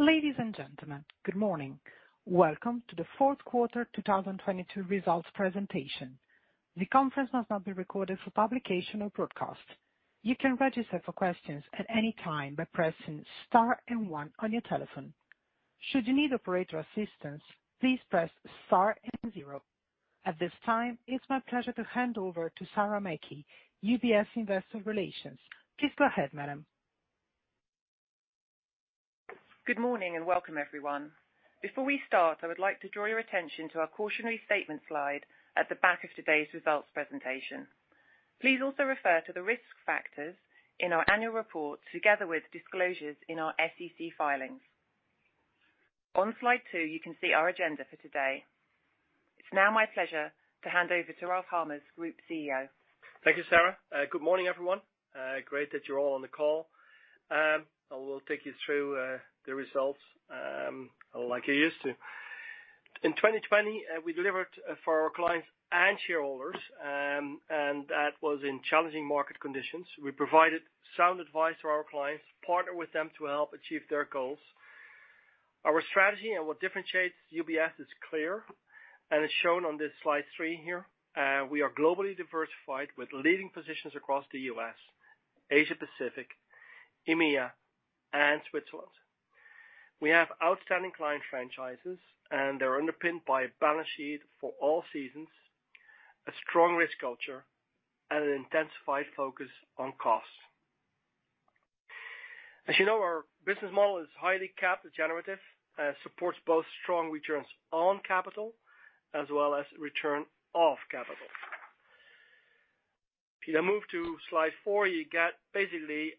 Ladies and gentlemen, good morning. Welcome to the Fourth Quarter 2022 results presentation. The conference must not be recorded for publication or broadcast. You can register for questions at any time by pressing star one on your telephone. Should you need operator assistance, please press star zero. At this time, it's my pleasure to hand over to Sarah Mackey, UBS Investor Relations. Please go ahead, madam. Good morning, welcome, everyone. Before we start, I would like to draw your attention to our cautionary statement slide at the back of today's results presentation. Please also refer to the risk factors in our annual report, together with disclosures in our SEC filings. On slide two, you can see our agenda for today. It's now my pleasure to hand over to Ralph Hamers, Group CEO. Thank you, Sarah. Good morning, everyone. Great that you're all on the call. I will take you through the results like you're used to. In 2020, we delivered for our clients and shareholders, and that was in challenging market conditions. We provided sound advice to our clients, partnered with them to help achieve their goals. Our strategy and what differentiates UBS is clear, and is shown on this slide three here. We are globally diversified with leading positions across the U.S., Asia Pacific, EMEA, and Switzerland. We have outstanding client franchises, and they're underpinned by a balance sheet for all seasons, a strong risk culture, and an intensified focus on costs. As you know, our business model is highly capital generative, supports both strong returns on capital as well as return of capital. If you now move to slide four, you get basically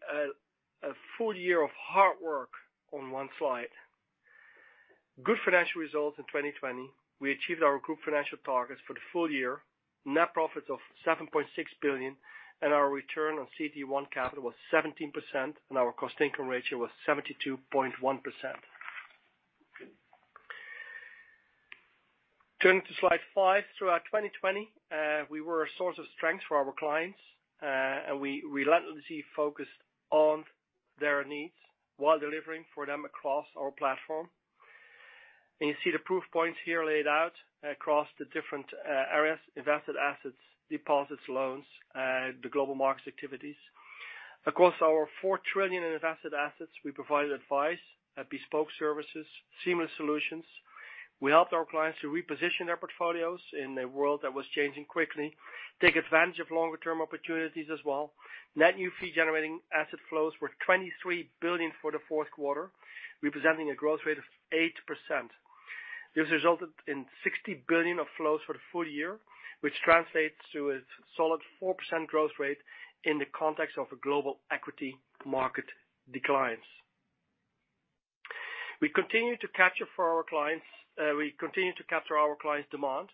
a full year of hard work on one slide. Good financial results in 2020. We achieved our group financial targets for the full year. Net profits of $7.6 billion, and our return on CET1 capital was 17%, and our cost/income ratio was 72.1%. Turning to slide five, throughout 2020, we were a source of strength for our clients, and we relentlessly focused on their needs while delivering for them across our platform. You see the proof points here laid out across the different areas, invested assets, deposits, loans, the Global Markets activities. Across our $4 trillion in invested assets, we provided advice, bespoke services, seamless solutions. We helped our clients to reposition their portfolios in a world that was changing quickly, take advantage of longer-term opportunities as well. Net new fee-generating asset flows were $23 billion for the fourth quarter, representing a growth rate of 8%. This resulted in $60 billion of flows for the full year, which translates to a solid 4% growth rate in the context of global equity market declines. We continue to capture our clients' demand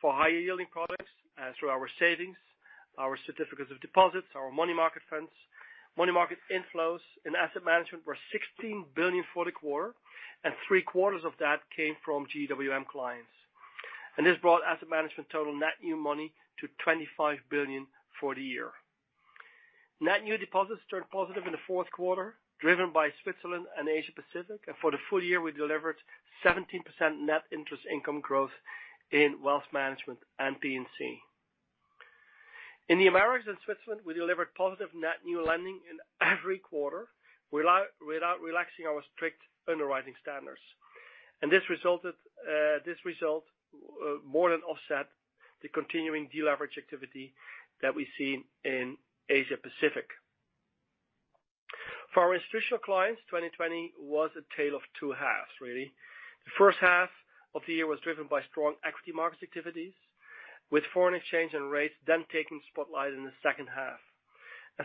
for higher-yielding products through our savings, our certificates of deposits, our money market funds. Money market inflows in asset management were $16 billion for the quarter, three-quarters of that came from GWM clients. This brought asset management total net new money to $25 billion for the year. Net new deposits turned positive in the fourth quarter, driven by Switzerland and Asia Pacific. For the full year, we delivered 17% net interest income growth in wealth management and P&C. In the Americas and Switzerland, we delivered positive net new lending in every quarter, without relaxing our strict underwriting standards. This result more than offset the continuing deleverage activity that we see in Asia Pacific. For our institutional clients, 2020 was a tale of two halves, really. The first half of the year was driven by strong equity market activities, with foreign exchange and rates then taking spotlight in the second half.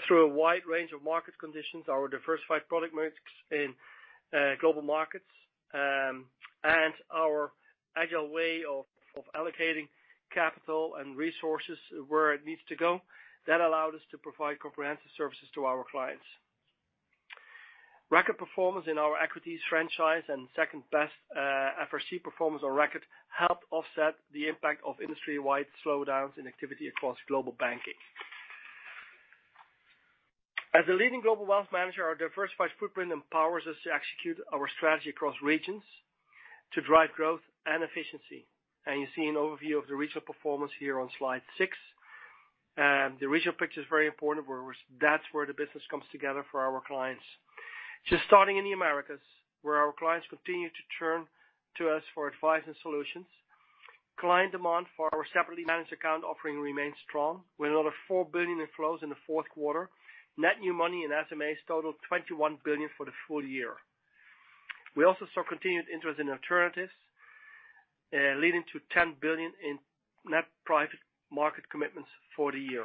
Through a wide range of market conditions, our diversified product mix in Global Markets and our Agile way of allocating capital and resources where it needs to go, that allowed us to provide comprehensive services to our clients. Record performance in our equities franchise and second-best FRC performance on record helped offset the impact of industry-wide slowdowns in activity across Global Banking. As a leading Global Wealth Management, our diversified footprint empowers us to execute our strategy across regions to drive growth and efficiency. You see an overview of the regional performance here on slide six. The regional picture is very important, where that's where the business comes together for our clients. Just starting in the Americas, where our clients continue to turn to us for advice and solutions. Client demand for our separately managed account offering remains strong, with another $4 billion inflows in the fourth quarter. Net new money in SMAs totaled $21 billion for the full year. We also saw continued interest in alternatives, leading to $10 billion in net private market commitments for the year.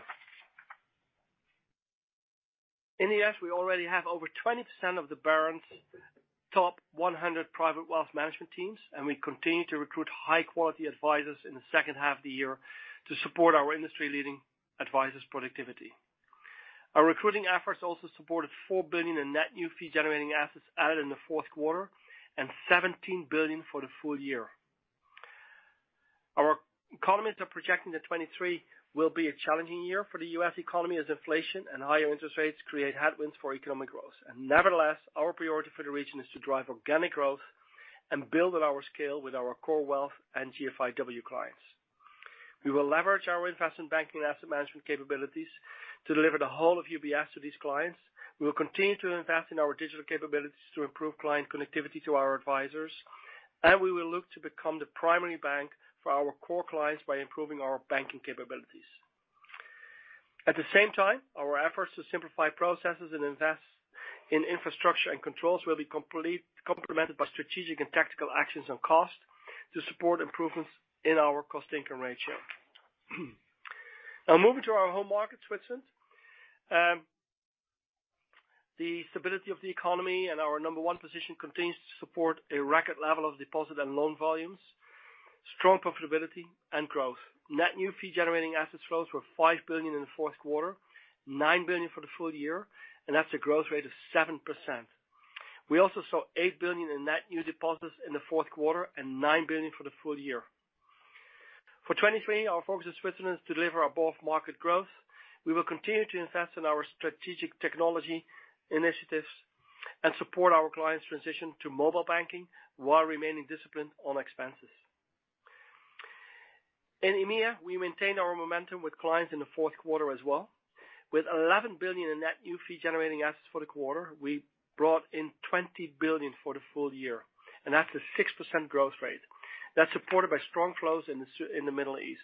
In the U.S., we already have over 20% of the Barron's top 100 private wealth management teams, and we continue to recruit high-quality advisors in the second half of the year to support our industry-leading advisors' productivity. Our recruiting efforts also supported $4 billion in net new fee-generating assets added in the fourth quarter and $17 billion for the full year. Our economists are projecting that 2023 will be a challenging year for the U.S. economy, as inflation and higher interest rates create headwinds for economic growth. Nevertheless, our priority for the region is to drive organic growth and build on our scale with our core wealth and GFIW clients. We will leverage our investment banking asset management capabilities to deliver the whole of UBS to these clients. We will continue to invest in our digital capabilities to improve client connectivity to our advisors, and we will look to become the primary bank for our core clients by improving our banking capabilities. At the same time, our efforts to simplify processes and invest in infrastructure and controls will be complemented by strategic and tactical actions on cost to support improvements in our cost/income ratio. Now moving to our home market, Switzerland. The stability of the economy and our number one position continues to support a record level of deposit and loan volumes, strong profitability and growth. Net new fee-generating assets flows were $5 billion in the fourth quarter, $9 billion for the full year, and that's a growth rate of 7%. We also saw $8 billion in net new deposits in the fourth quarter and $9 billion for the full year. For 2023, our focus in Switzerland is to deliver above market growth. We will continue to invest in our strategic technology initiatives and support our clients transition to mobile banking while remaining disciplined on expenses. In EMEA, we maintained our momentum with clients in the fourth quarter as well. With $11 billion in net new fee-generating assets for the quarter, we brought in $20 billion for the full year, that's a 6% growth rate. That's supported by strong flows in the Middle East.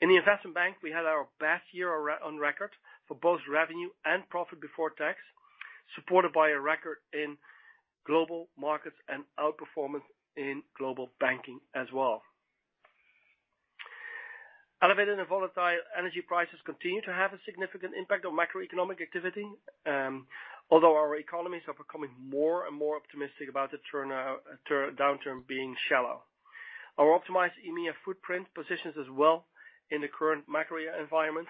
In the Investment Bank, we had our best year on record for both revenue and profit before tax, supported by a record in Global Markets and outperformance in Global Banking as well. Elevated and volatile energy prices continue to have a significant impact on macroeconomic activity, although our economies are becoming more and more optimistic about the downturn being shallow. Our optimized EMEA footprint positions us well in the current macro environment.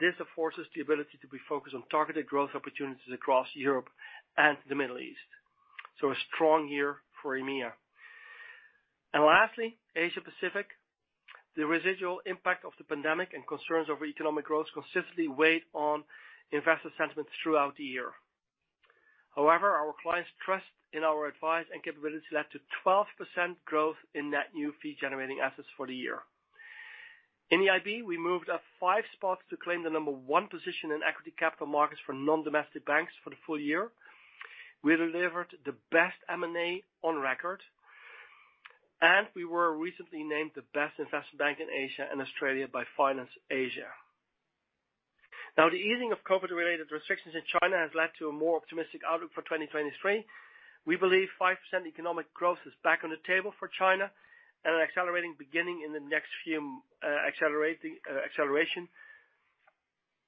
This affords us the ability to be focused on targeted growth opportunities across Europe and the Middle East. A strong year for EMEA. Lastly, Asia Pacific. The residual impact of the pandemic and concerns over economic growth consistently weighed on investor sentiment throughout the year. However, our clients' trust in our advice and capabilities led to 12% growth in net new fee-generating assets for the year. In IB, we moved up five spots to claim the number one position in equity capital markets for non-domestic banks for the full year. We delivered the best M&A on record. We were recently named the best investment bank in Asia and Australia by FinanceAsia. The easing of COVID-related restrictions in China has led to a more optimistic outlook for 2023. We believe 5% economic growth is back on the table for China and acceleration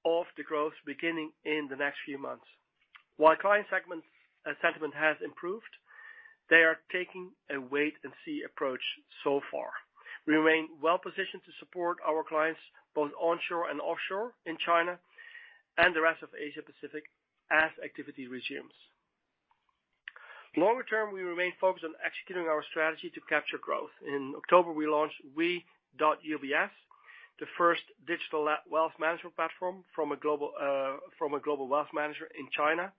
of the growth beginning in the next few months. While client segment sentiment has improved, they are taking a wait and see approach so far. We remain well-positioned to support our clients, both onshore and offshore in China and the rest of Asia Pacific as activity resumes. Longer term, we remain focused on executing our strategy to capture growth. In October, we launched WE.UBS, the first digital wealth management platform from a global wealth manager in China.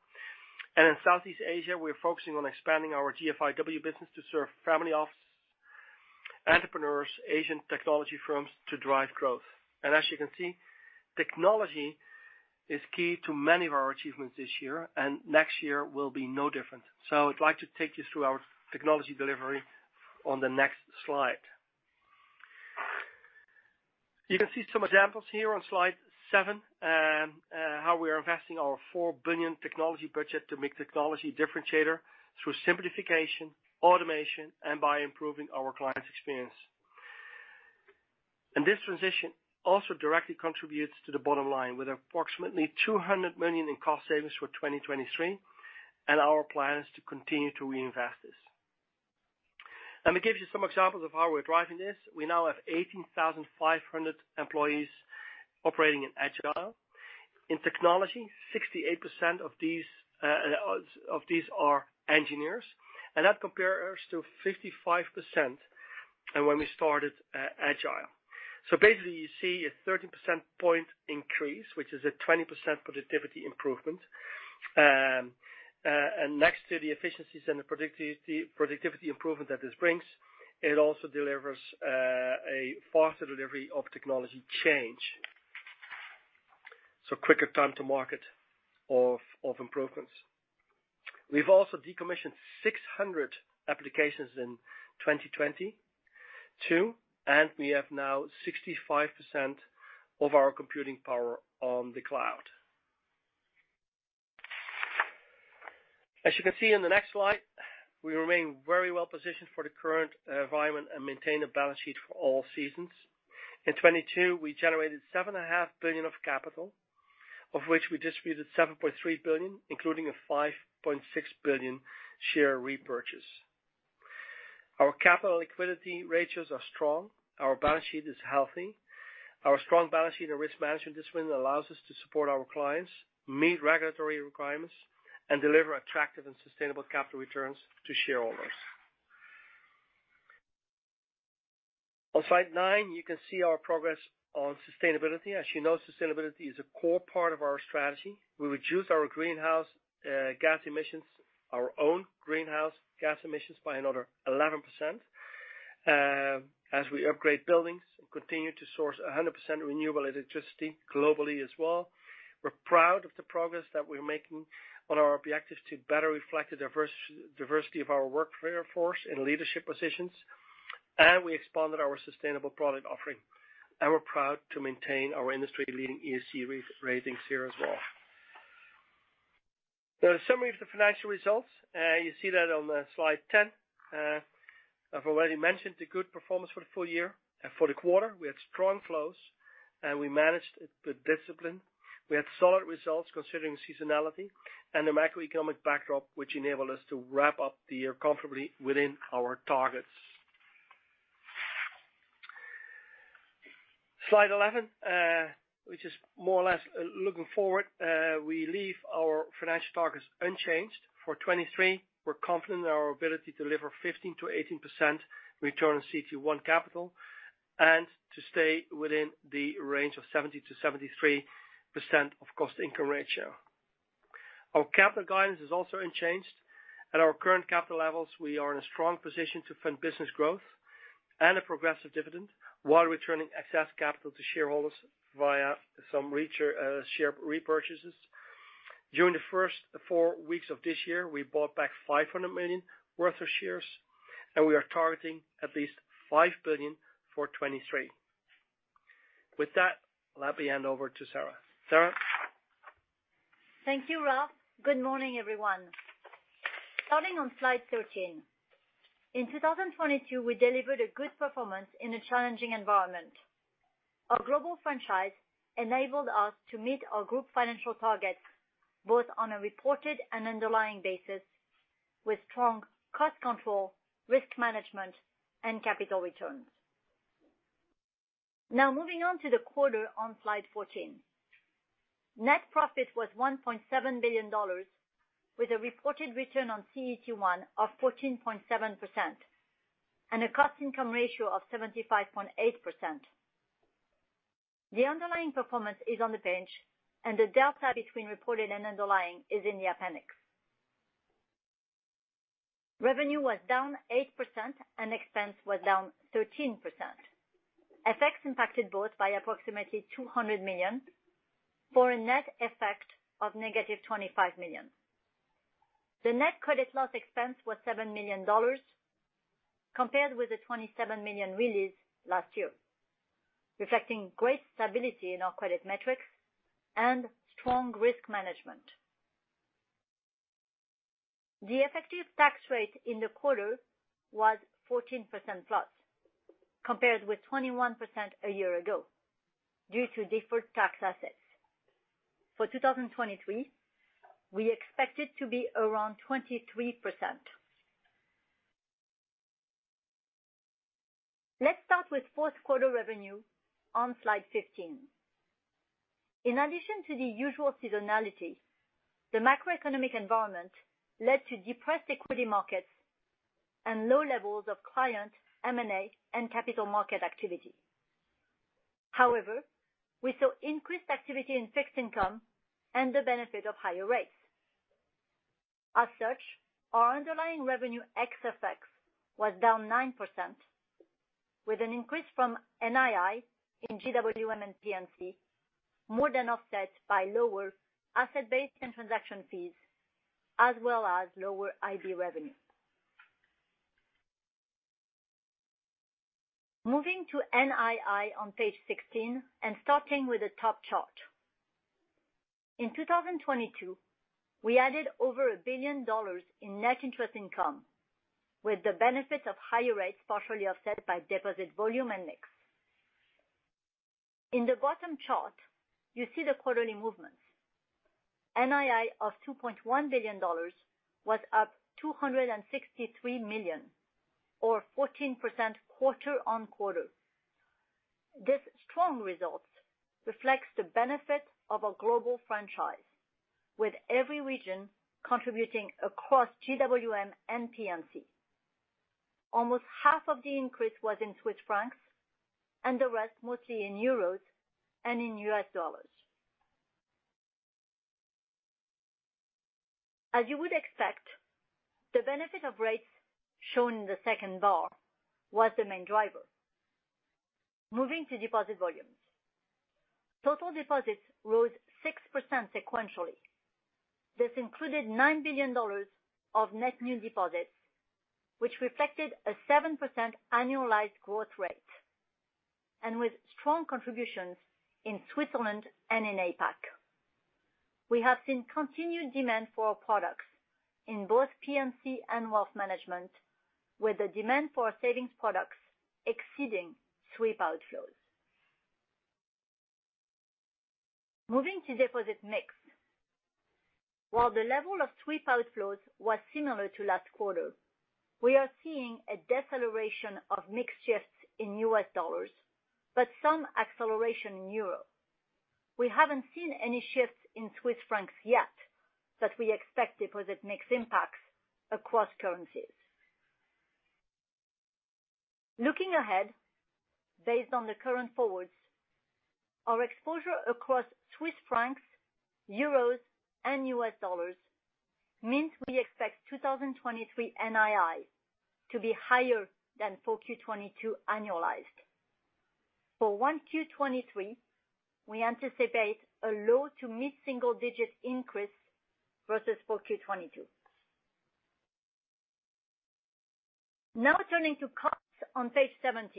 In Southeast Asia, we're focusing on expanding our GFIW business to serve family office, entrepreneurs, Asian technology firms to drive growth. As you can see, technology is key to many of our achievements this year, and next year will be no different. I'd like to take you through our technology delivery on the next slide. You can see some examples here on slide seven, how we are investing our $4 billion technology budget to make technology differentiator through simplification, automation, and by improving our clients' experience. This transition also directly contributes to the bottom line, with approximately $200 million in cost savings for 2023, and our plan is to continue to reinvest this. Let me give you some examples of how we're driving this. We now have 18,500 employees operating in Agile. In technology, 68% of these are engineers, and that compares to 55% when we started Agile. Basically, you see a 30 percentage point increase, which is a 20% productivity improvement. Next to the efficiencies and the productivity improvement that this brings, it also delivers a faster delivery of technology change. Quicker time to market of improvements. We've also decommissioned 600 applications in 2022, and we have now 65% of our computing power on the cloud. As you can see on the next slide, we remain very well positioned for the current environment and maintain a balance sheet for all seasons. In 2022, we generated $7.5 billion of capital, of which we distributed $7.3 billion, including a $5.6 billion share repurchase. Our capital liquidity ratios are strong. Our balance sheet is healthy. Our strong balance sheet and risk management discipline allows us to support our clients, meet regulatory requirements, and deliver attractive and sustainable capital returns to shareholders. On slide nine, you can see our progress on sustainability. As you know, sustainability is a core part of our strategy. We reduced our greenhouse gas emissions, our own greenhouse gas emissions by another 11%, as we upgrade buildings and continue to source 100% renewable electricity globally as well. We're proud of the progress that we're making on our objectives to better reflect the diversity of our workforce in leadership positions. We expanded our sustainable product offering. We're proud to maintain our industry-leading ESG re-ratings here as well. The summary of the financial results, you see that on slide ten. I've already mentioned the good performance for the full year. For the quarter, we had strong flows, and we managed it with discipline. We had solid results considering seasonality and the macroeconomic backdrop, which enabled us to wrap up the year comfortably within our targets. Slide 11, which is more or less looking forward, we leave our financial targets unchanged. For 2023, we're confident in our ability to deliver 15% to 18% return on CET1 capital and to stay within the range of 70% to 73% of cost/income ratio. Our capital guidance is also unchanged. At our current capital levels, we are in a strong position to fund business growth and a progressive dividend while returning excess capital to shareholders via some share repurchases. During the first four weeks of this year, we bought back $500 million worth of shares. We are targeting at least $5 billion for 2023. With that, let me hand over to Sarah. Sarah? Thank you, Ralph. Good morning, everyone. Starting on slide 13. In 2022, we delivered a good performance in a challenging environment. Our global franchise enabled us to meet our group financial targets, both on a reported and underlying basis, with strong cost control, risk management, and capital returns. Moving on to the quarter on slide 14. Net profit was $1.7 billion, with a reported return on CET1 of 14.7% and a cost/income ratio of 75.8%. The underlying performance is on the page, and the delta between reported and underlying is in the appendix. Revenue was down 8% and expense was down 13%. Effects impacted both by approximately $200 million for a net effect of -$25 million. The net credit loss expense was $7 million compared with the $27 million release last year, reflecting great stability in our credit metrics and strong risk management. The effective tax rate in the quarter was 14%+ compared with 21% a year ago due to deferred tax assets. For 2023, we expect it to be around 23%. Let's start with fourth quarter revenue on slide 15. In addition to the usual seasonality, the macroeconomic environment led to depressed equity markets and low levels of client M&A and capital market activity. We saw increased activity in fixed income and the benefit of higher rates. Our underlying revenue X effects was down 9%, with an increase from NII in GWM and P&C more than offset by lower asset base and transaction fees, as well as lower IB revenue. Moving to NII on page 16, starting with the top chart. In 2022, we added over $1 billion in net interest income, with the benefit of higher rates partially offset by deposit volume and mix. In the bottom chart, you see the quarterly movements. NII of $2.1 billion was up $263 million or 14% quarter-over-quarter. This strong result reflects the benefit of a global franchise, with every region contributing across GWM and P&C. Almost half of the increase was in Swiss francs and the rest mostly in euros and in US dollars. As you would expect, the benefit of rates shown in the second bar was the main driver. Moving to deposit volumes. Total deposits rose 6% sequentially. This included $9 billion of net new deposits, which reflected a 7% annualized growth rate, and with strong contributions in Switzerland and in APAC. We have seen continued demand for our products in both P&C and wealth management, with the demand for our savings products exceeding sweep outflows. Moving to deposit mix. While the level of sweep outflows was similar to last quarter, we are seeing a deceleration of mix shifts in US dollars, but some acceleration in euro. We haven't seen any shifts in Swiss francs yet, but we expect deposit mix impacts across currencies. Looking ahead, based on the current forwards, our exposure across Swiss francs, euros, and US dollars means we expect 2023 NII to be higher than full Q22 annualized. For 1Q23, we anticipate a low to mid-single-digit increase versus full Q22. Now turning to costs on page 17.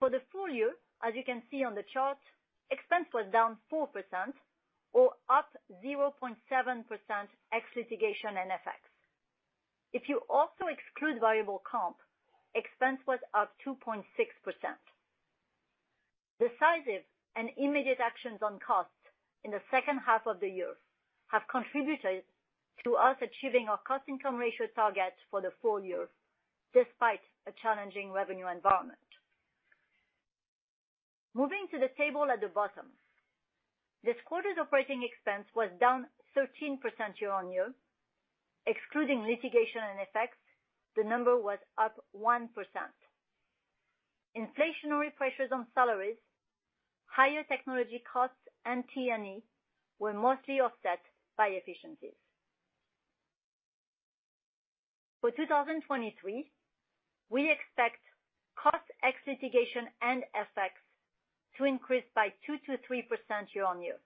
For the full year, as you can see on the chart, expense was down 4% or up 0.7% ex litigation and FX. If you also exclude variable comp, expense was up 2.6%. Decisive and immediate actions on costs in the second half of the year have contributed to us achieving our cost/income ratio target for the full year, despite a challenging revenue environment. Moving to the table at the bottom. This quarter's operating expense was down 13% year-on-year. Excluding litigation and FX, the number was up 1%. Inflationary pressures on salaries, higher technology costs, and T&E were mostly offset by efficiencies. For 2023, we expect cost ex litigation and FX to increase by 2% to 3% year-on-year.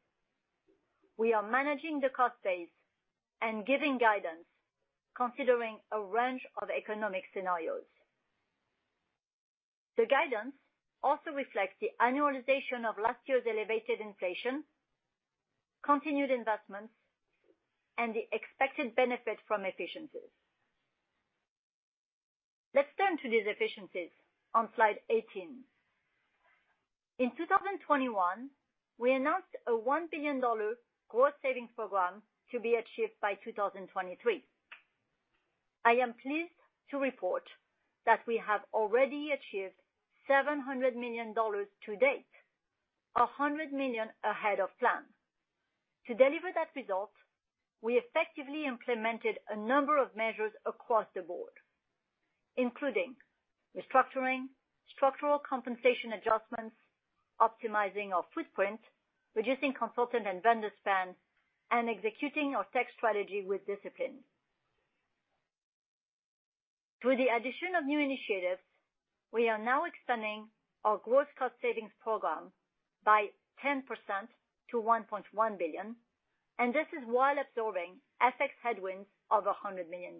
We are managing the cost base and giving guidance considering a range of economic scenarios. The guidance also reflects the annualization of last year's elevated inflation, continued investments, and the expected benefit from efficiencies. Let's turn to these efficiencies on slide 18. In 2021, we announced a $1 billion growth savings program to be achieved by 2023. I am pleased to report that we have already achieved $700 million to date, $100 million ahead of plan. To deliver that result, we effectively implemented a number of measures across the board, including restructuring, structural compensation adjustments, optimizing our footprint, reducing consultant and vendor spend, and executing our tech strategy with discipline. Through the addition of new initiatives, we are now extending our growth cost savings program by 10% to $1.1 billion, and this is while absorbing FX headwinds of $100 million.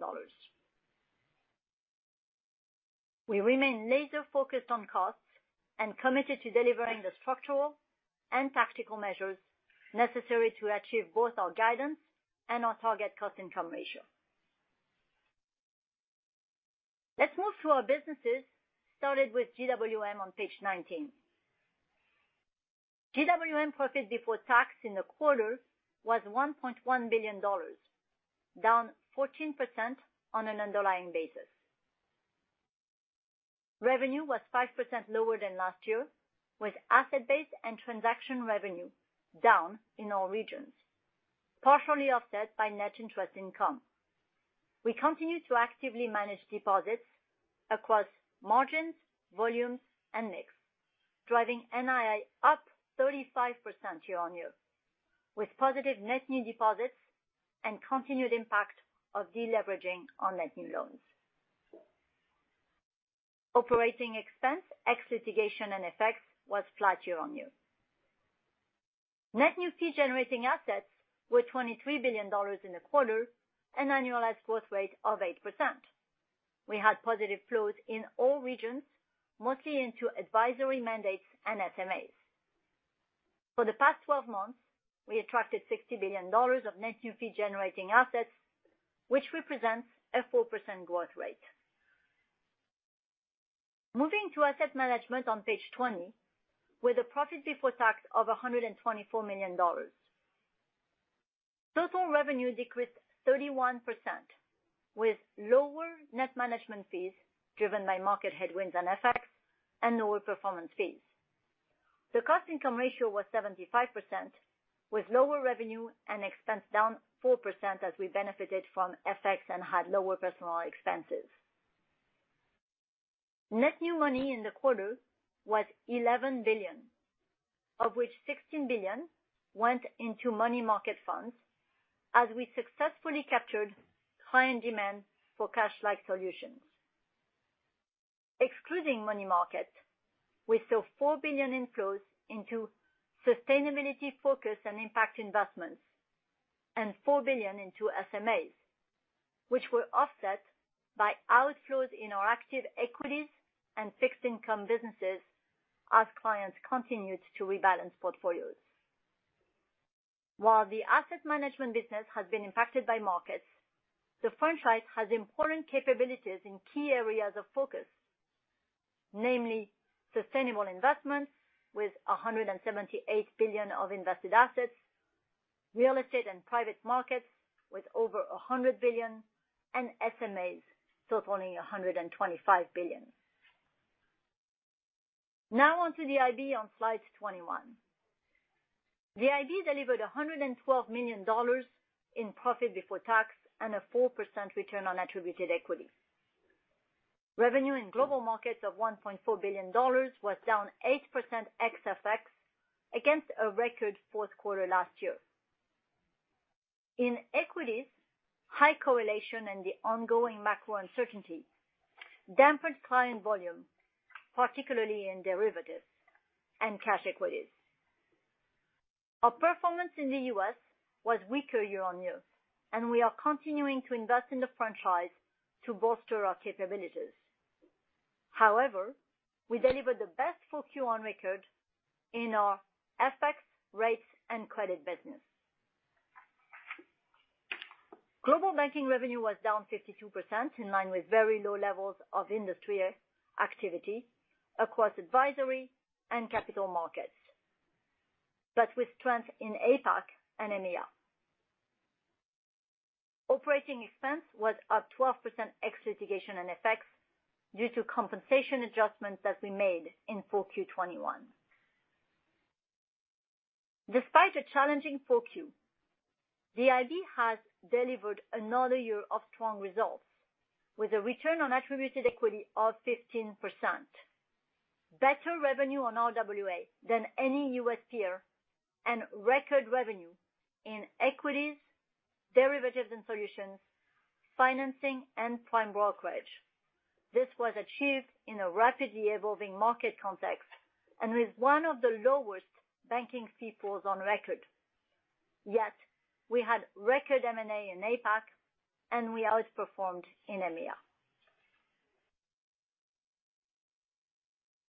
We remain laser-focused on costs and committed to delivering the structural and tactical measures necessary to achieve both our guidance and our target cost-income ratio. Let's move to our businesses, starting with GWM on page 19. GWM profit before tax in the quarter was $1.1 billion, down 14% on an underlying basis. Revenue was 5% lower than last year, with asset base and transaction revenue down in all regions, partially offset by net interest income. We continue to actively manage deposits across margins, volumes, and mix, driving NII up 35% year-on-year, with positive net new deposits and continued impact of deleveraging on net new loans. Operating expense, ex litigation and FX, was flat year-on-year. Net new fee-generating assets were $23 billion in the quarter, an annualized growth rate of 8%. We had positive flows in all regions, mostly into advisory mandates and SMAs. For the past 12 months, we attracted $60 billion of net new fee-generating assets, which represents a 4% growth rate. Moving to asset management on page 20, with a profit before tax of $124 million. Total revenue decreased 31%, with lower net management fees driven by market headwinds and FX and lower performance fees. The cost/income ratio was 75%, with lower revenue and expense down 4% as we benefited from FX and had lower personnel expenses. Net new money in the quarter was $11 billion, of which $16 billion went into money market funds, as we successfully captured client demand for cash-like solutions. Excluding money market, we saw $4 billion inflows into sustainability focus and impact investments, and $4 billion into SMAs, which were offset by outflows in our active equities and fixed income businesses as clients continued to rebalance portfolios. While the asset management business has been impacted by markets, the franchise has important capabilities in key areas of focus, namely sustainable investments with $178 billion of invested assets, real estate and private markets with over $100 billion, and SMAs totaling $125 billion. On to the IB on slide 21. The IB delivered $112 million in profit before tax and a 4% return on attributed equity. Revenue in Global Markets of $1.4 billion was down 8% ex-FX against a record fourth quarter last year. In equities, high correlation and the ongoing macro uncertainty dampened client volume, particularly in derivatives and cash equities. Our performance in the U.S. was weaker year-on-year, we are continuing to invest in the franchise to bolster our capabilities. We delivered the best full Q on record in our FX rates and credit business. Global Banking revenue was down 52% in line with very low levels of industry activity across advisory and capital markets, but with strength in APAC and EMEA. Operating expense was up 12% ex-litigation FX due to compensation adjustments that we made in full Q21. Despite a challenging full Q, the IB has delivered another year of strong results with a return on attributed equity of 15%, better revenue on RWA than any U.S. peer, and record revenue in equities, derivatives and solutions, financing, and prime brokerage. This was achieved in a rapidly evolving market context and with one of the lowest banking fee pools on record. Yet we had record M&A in APAC, and we outperformed in EMEA.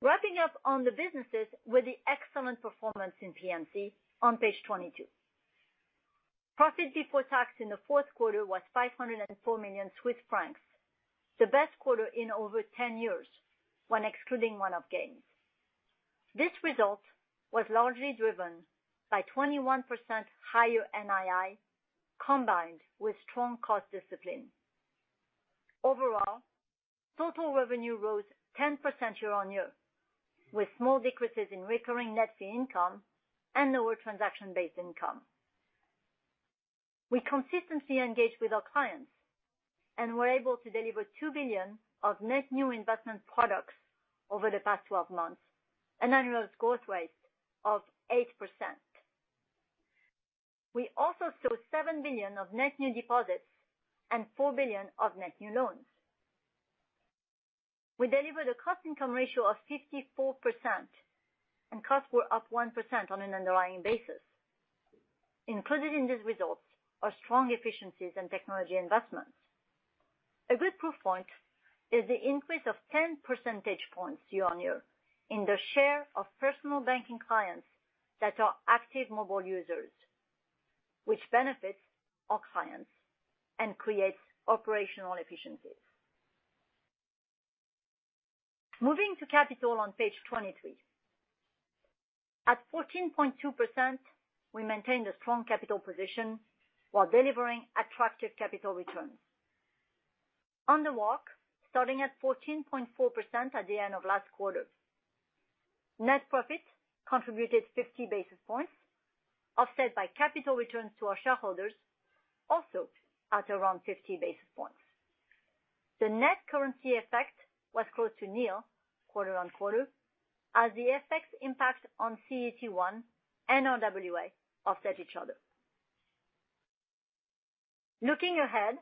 Wrapping up on the businesses with the excellent performance in P&C on page 22. Profit before tax in the fourth quarter was 504 million Swiss francs, the best quarter in over 10 years when excluding one-off gains. This result was largely driven by 21% higher NII combined with strong cost discipline. Overall, total revenue rose 10% year-on-year, with small decreases in recurring net fee income and lower transaction-based income. We consistently engage with our clients, and we're able to deliver 2 billion of net new investment products over the past 12 months, an annual growth rate of 8%. We also saw $7 billion of net new deposits and $4 billion of net new loans. We delivered a cost/income ratio of 54%. Costs were up 1% on an underlying basis. Included in these results are strong efficiencies and technology investments. A good proof point is the increase of 10 percentage points year-over-year in the share of personal banking clients that are active mobile users, which benefits our clients and creates operational efficiencies. Moving to capital on page 23. At 14.2%, we maintained a strong capital position while delivering attractive capital returns. On the walk, starting at 14.4% at the end of last quarter, net profit contributed 50 basis points, offset by capital returns to our shareholders also at around 50 basis points. The net currency effect was close to nil quarter on quarter as the FX impact on CET1 and RWA offset each other. Looking ahead,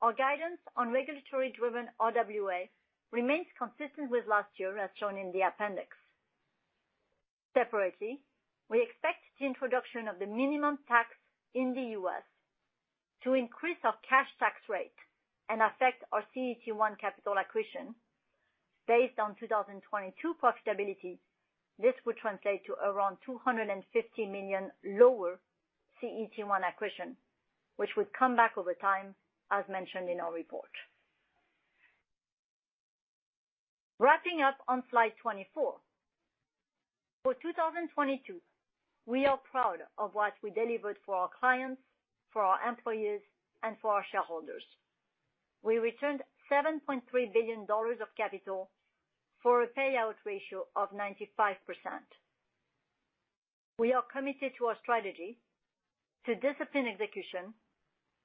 our guidance on regulatory-driven RWA remains consistent with last year, as shown in the appendix. Separately, we expect the introduction of the minimum tax in the U.S. to increase our cash tax rate and affect our CET1 capital accretion. Based on 2022 profitability, this would translate to around $250 million lower CET1 accretion, which would come back over time, as mentioned in our report. Wrapping up on slide 24. For 2022, we are proud of what we delivered for our clients, for our employees, and for our shareholders. We returned $7.3 billion of capital for a payout ratio of 95%. We are committed to our strategy to discipline execution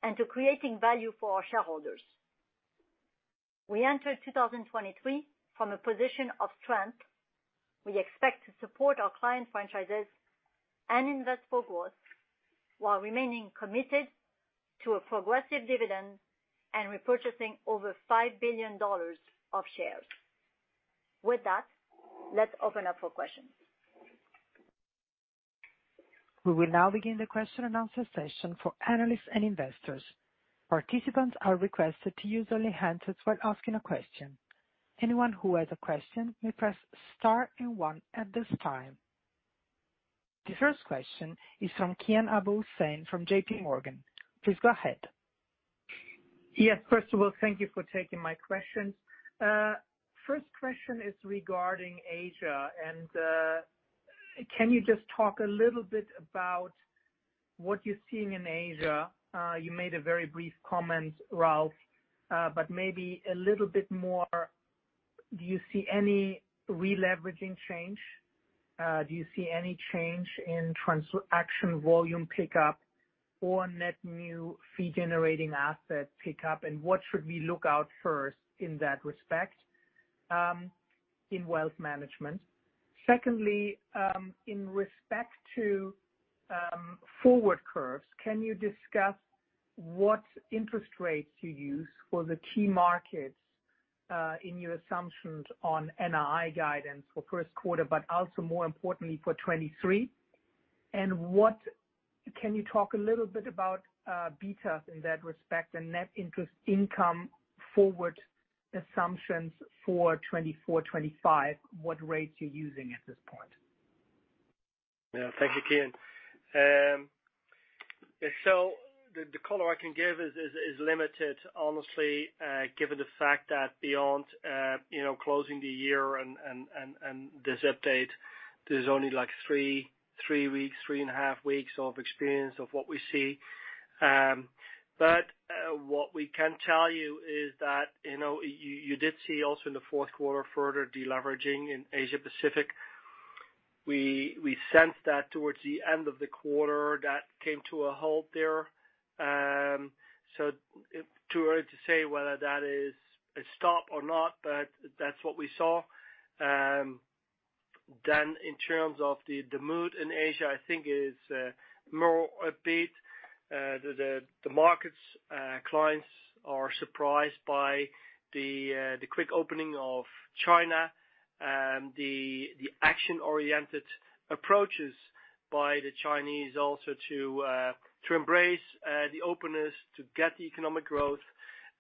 and to creating value for our shareholders. We entered 2023 from a position of strength. We expect to support our client franchises and invest for growth while remaining committed to a progressive dividend and repurchasing over $5 billion of shares. With that, let's open up for questions. We will now begin the question and answer session for analysts and investors. Participants are requested to use only handsets while asking a question. Anyone who has a question may press star and one at this time. The first question is from Kian Abouhossein from JPMorgan. Please go ahead. Yes. First of all, thank you for taking my questions. First question is regarding Asia. Can you just talk a little bit about what you're seeing in Asia? You made a very brief comment, Ralph, but maybe a little bit more. Do you see any re-leveraging change? Do you see any change in transaction volume pickup or net new fee-generating asset pickup? What should we look out for in that respect in wealth management? Secondly, in respect to forward curves, can you discuss what interest rates you use for the key markets in your assumptions on NII guidance for first quarter, but also more importantly for 2023? What can you talk a little bit about betas in that respect and net interest income forward assumptions for 2024, 2025, what rates you're using at this point? Yeah. Thank you, Kian. The color I can give is limited, honestly, given the fact that beyond, you know, closing the year and this update, there's only like three weeks, three and a half weeks of experience of what we see. What we can tell you is that, you know, you did see also in the fourth quarter further deleveraging in Asia Pacific. We sensed that towards the end of the quarter that came to a halt there. Too early to say whether that is a stop or not, but that's what we saw. In terms of the mood in Asia, I think is more upbeat. The markets, clients are surprised by the quick opening of China, the action-oriented approaches by the Chinese also to embrace the openness to get the economic growth,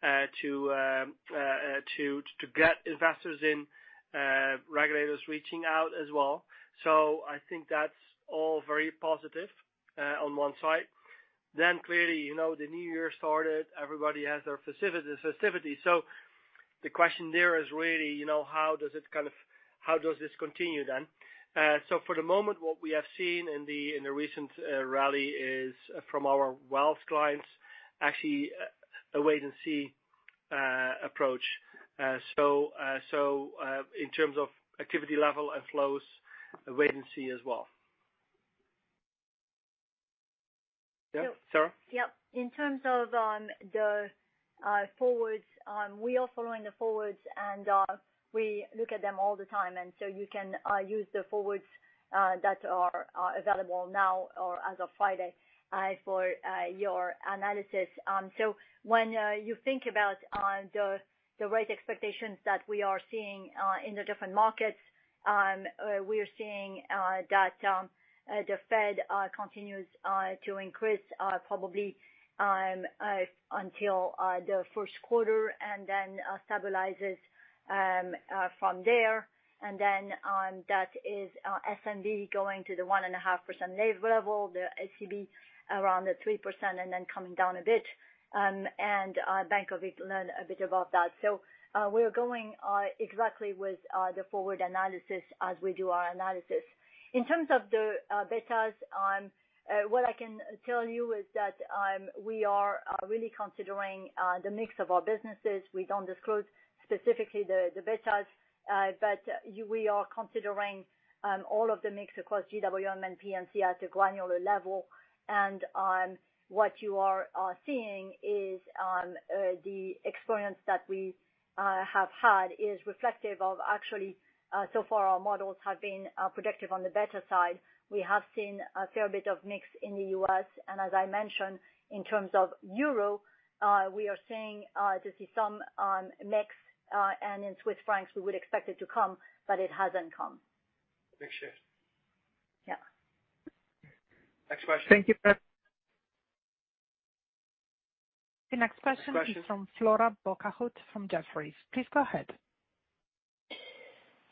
to get investors in, regulators reaching out as well. I think that's all very positive on one side. Clearly, you know, the new year started, everybody has their festivities. The question there is really, you know, how does it kind of how does this continue then? In terms of activity level and flows, a wait-and-see approach. In terms of activity level and flows, a wait-and-see as well. Yeah, Sarah? Yep. In terms of the forwards, we are following the forwards and we look at them all the time, and so you can use the forwards that are available now or as of Friday for your analysis. When you think about the rate expectations that we are seeing in the different markets, we are seeing that the Fed continues to increase probably until the first quarter and then stabilizes from there. That is SNB going to the 1.5% rate level, the SCB around the 3% and then coming down a bit, and Bank of England a bit above that. We are going exactly with the forward analysis as we do our analysis. In terms of the betas, what I can tell you is that we are really considering the mix of our businesses. We don't disclose specifically the betas, but we are considering all of the mix across GWM and P&C at a granular level. What you are seeing is the experience that we have had is reflective of actually so far our models have been productive on the beta side. We have seen a fair bit of mix in the US, and as I mentioned, in terms of euro, we are seeing to see some mix, and in Swiss francs, we would expect it to come, but it hasn't come. Mix shift. Yeah. Next question. Thank you. The next question is from Flora Bocahut from Jefferies. Please go ahead.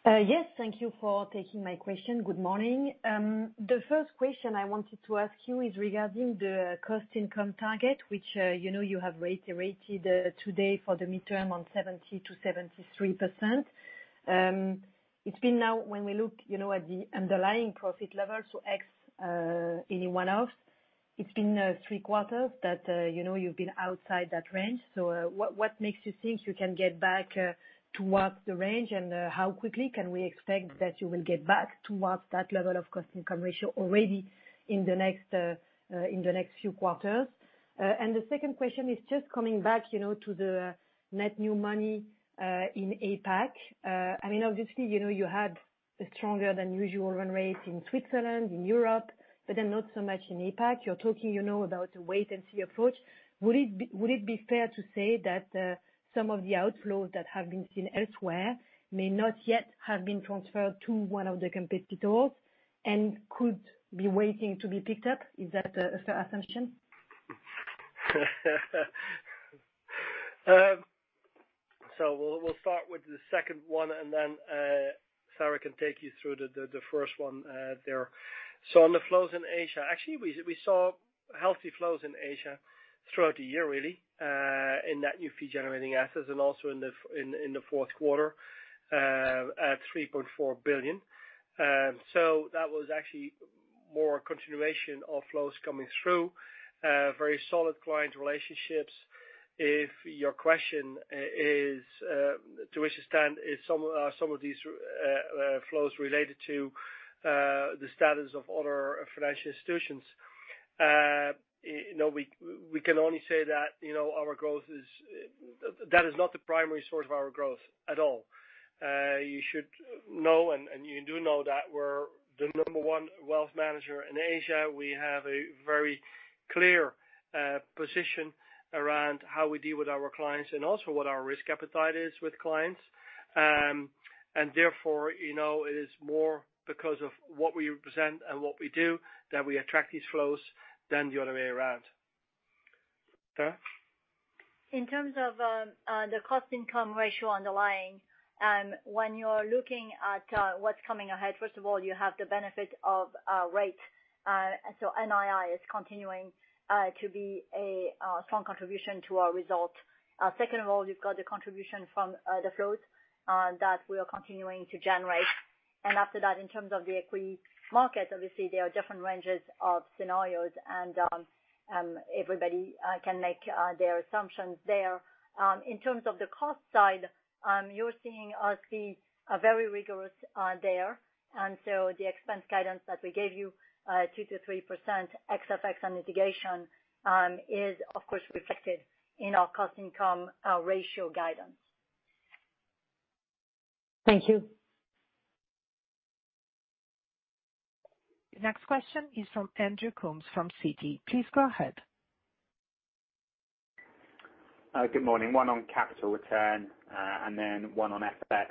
Yes, thank you for taking my question. Good morning. The first question I wanted to ask you is regarding the cost/income target, which, you know, you have reiterated today for the midterm on 70% to 73%. It's been now when we look, you know, at the underlying profit levels, so X any one-offs, it's been three quarters that, you know, you've been outside that range. What makes you think you can get back towards the range? How quickly can we expect that you will get back towards that level of cost/income ratio already in the next few quarters? The second question is just coming back, you know, to the net new money in APAC. I mean, obviously, you know, you had a stronger than usual run rate in Switzerland, in Europe, but then not so much in APAC. You're talking, you know, about a wait-and-see approach. Would it be fair to say that some of the outflows that have been seen elsewhere may not yet have been transferred to one of the competitors and could be waiting to be picked up? Is that a fair assumption? We'll start with the second one, and then Sarah can take you through the first one there. On the flows in Asia, actually, we saw healthy flows in Asia throughout the year, really, in net new fee-generating assets and also in the fourth quarter, at $3.4 billion. That was actually more a continuation of flows coming through very solid client relationships. If your question is to which extent is some of these flows related to the status of other financial institutions, you know, we can only say that, you know, that is not the primary source of our growth at all. You should know, and you do know that we're the number one wealth manager in Asia. We have a very clear position around how we deal with our clients and also what our risk appetite is with clients. Therefore, you know, it is more because of what we represent and what we do that we attract these flows than the other way around. Sarah? In terms of the cost-income ratio underlying, when you're looking at what's coming ahead, first of all, you have the benefit of rates. NII is continuing to be a strong contribution to our result. Second of all, you've got the contribution from the flows that we are continuing to generate. After that, in terms of the equity market, obviously there are different ranges of scenarios and everybody can make their assumptions there. In terms of the cost side, you're seeing us be very rigorous there. The expense guidance that we gave you, 2% to 3% ex-FX on mitigation, is of course reflected in our cost-income ratio guidance. Thank you. The next question is from Andrew Coombs from Citi. Please go ahead. Good morning. One on capital return, and then one on FX.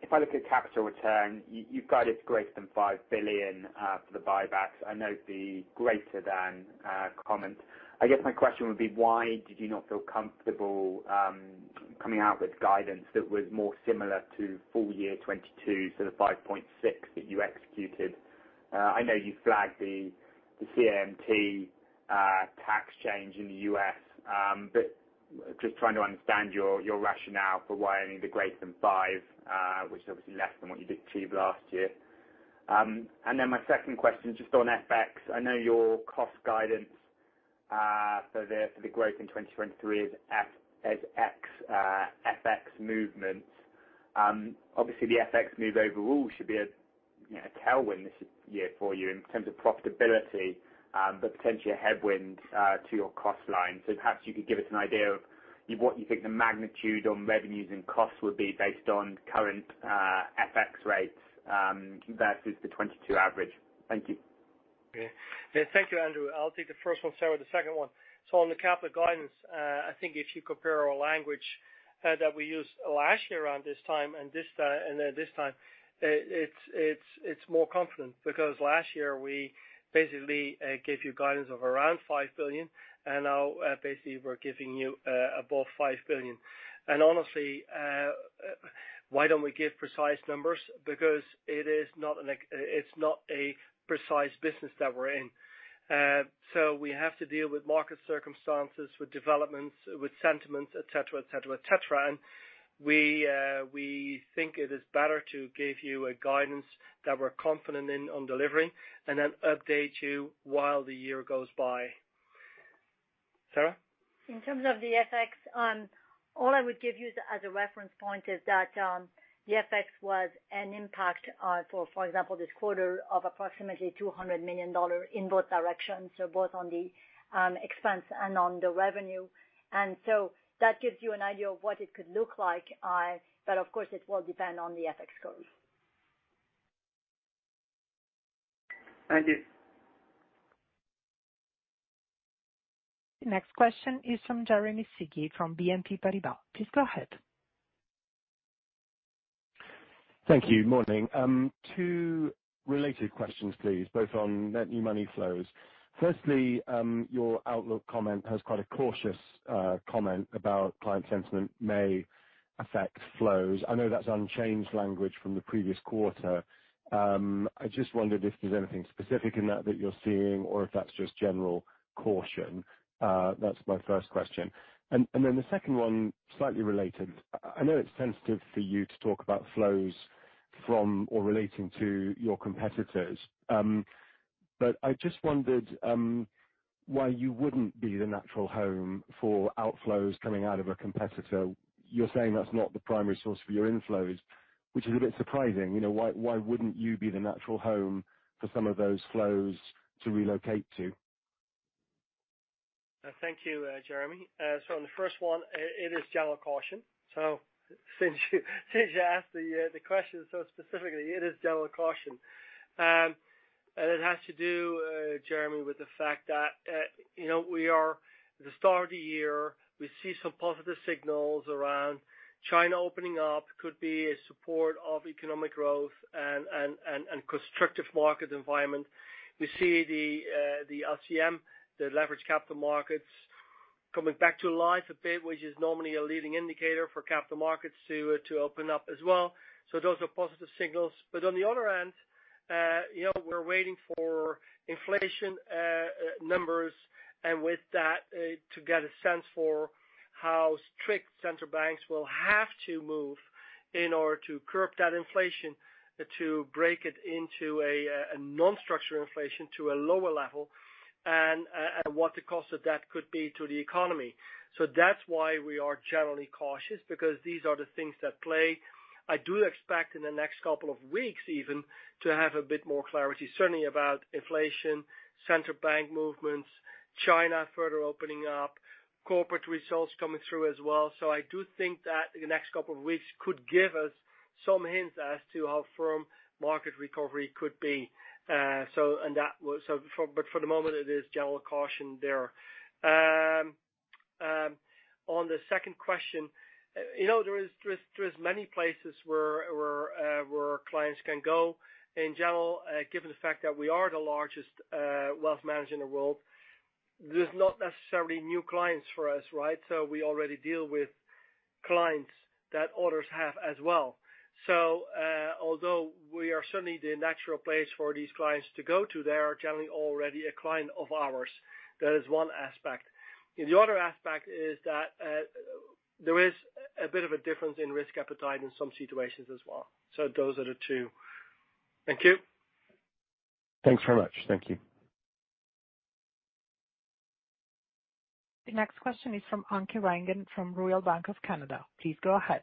If I look at capital return, you've guided greater than $5 billion for the buybacks. I note the greater than comment. I guess my question would be, why did you not feel comfortable coming out with guidance that was more similar to full year 2022, so the $5.6 that you executed? I know you flagged the CAMT tax change in the U.S., but just trying to understand your rationale for why only the greater than $5, which is obviously less than what you did achieve last year. My second question is just on FX. I know your cost guidance for the growth in 2023 is FX movement. Obviously the FX move overall should be a, you know, a tailwind this year for you in terms of profitability, but potentially a headwind, to your cost line. Perhaps you could give us an idea of what you think the magnitude on revenues and costs would be based on current, FX rates, versus the 2022 average. Thank you. Okay. Yeah, thank you, Andrew. I'll take the first one, Sarah, the second one. On the capital guidance, I think if you compare our language that we used last year around this time and this time, it's more confident, because last year we basically gave you guidance of around $5 billion, and now basically we're giving you above $5 billion. Honestly, why don't we give precise numbers? Because it is not it's not a precise business that we're in. We have to deal with market circumstances, with developments, with sentiments, et cetera, et cetera, et cetera. We think it is better to give you a guidance that we're confident in on delivering and then update you while the year goes by. Sarah? In terms of the FX, all I would give you as a reference point is that the FX was an impact for example, this quarter of approximately $200 million in both directions, so both on the expense and on the revenue. So that gives you an idea of what it could look like, but of course, it will depend on the FX goals. Thank you. Next question is from Jeremy Sigee from BNP Paribas. Please go ahead. Thank you. Morning. Two related questions, please, both on net new money flows. Firstly, your outlook comment has quite a cautious comment about client sentiment may affect flows. I know that's unchanged language from the previous quarter. I just wondered if there's anything specific in that that you're seeing or if that's just general caution. That's my first question. Then the second one, slightly related. I know it's sensitive for you to talk about flows from or relating to your competitors, but I just wondered why you wouldn't be the natural home for outflows coming out of a competitor. You're saying that's not the primary source for your inflows, which is a bit surprising. You know, why wouldn't you be the natural home for some of those flows to relocate to? Thank you, Jeremy. On the first one, it is general caution. Since you asked the question so specifically, it is general caution. It has to do, Jeremy, with the fact that, you know, we are at the start of the year, we see some positive signals around China opening up, could be a support of economic growth and constructive market environment. We see the LCM, the Leveraged Capital Markets coming back to life a bit, which is normally a leading indicator for capital markets to open up as well. Those are positive signals. On the other hand, you know, we're waiting for inflation numbers, and with that, to get a sense for how strict central banks will have to move in order to curb that inflation, to break it into a non-structural inflation to a lower level, and what the cost of that could be to the economy. That's why we are generally cautious, because these are the things that play. I do expect in the next couple of weeks even, to have a bit more clarity, certainly about inflation, central bank movements, China further opening up, corporate results coming through as well. I do think that the next couple of weeks could give us some hints as to how firm market recovery could be. For the moment, it is general caution there. On the second question, you know, there is many places where clients can go. In general, given the fact that we are the largest wealth manager in the world, there's not necessarily new clients for us, right? We already deal with clients that others have as well. Although we are certainly the natural place for these clients to go to, they are generally already a client of ours. That is one aspect. The other aspect is that there is a bit of a difference in risk appetite in some situations as well. Those are the two. Thank you. Thanks very much. Thank you. The next question is from Anke Reingen from Royal Bank of Canada. Please go ahead.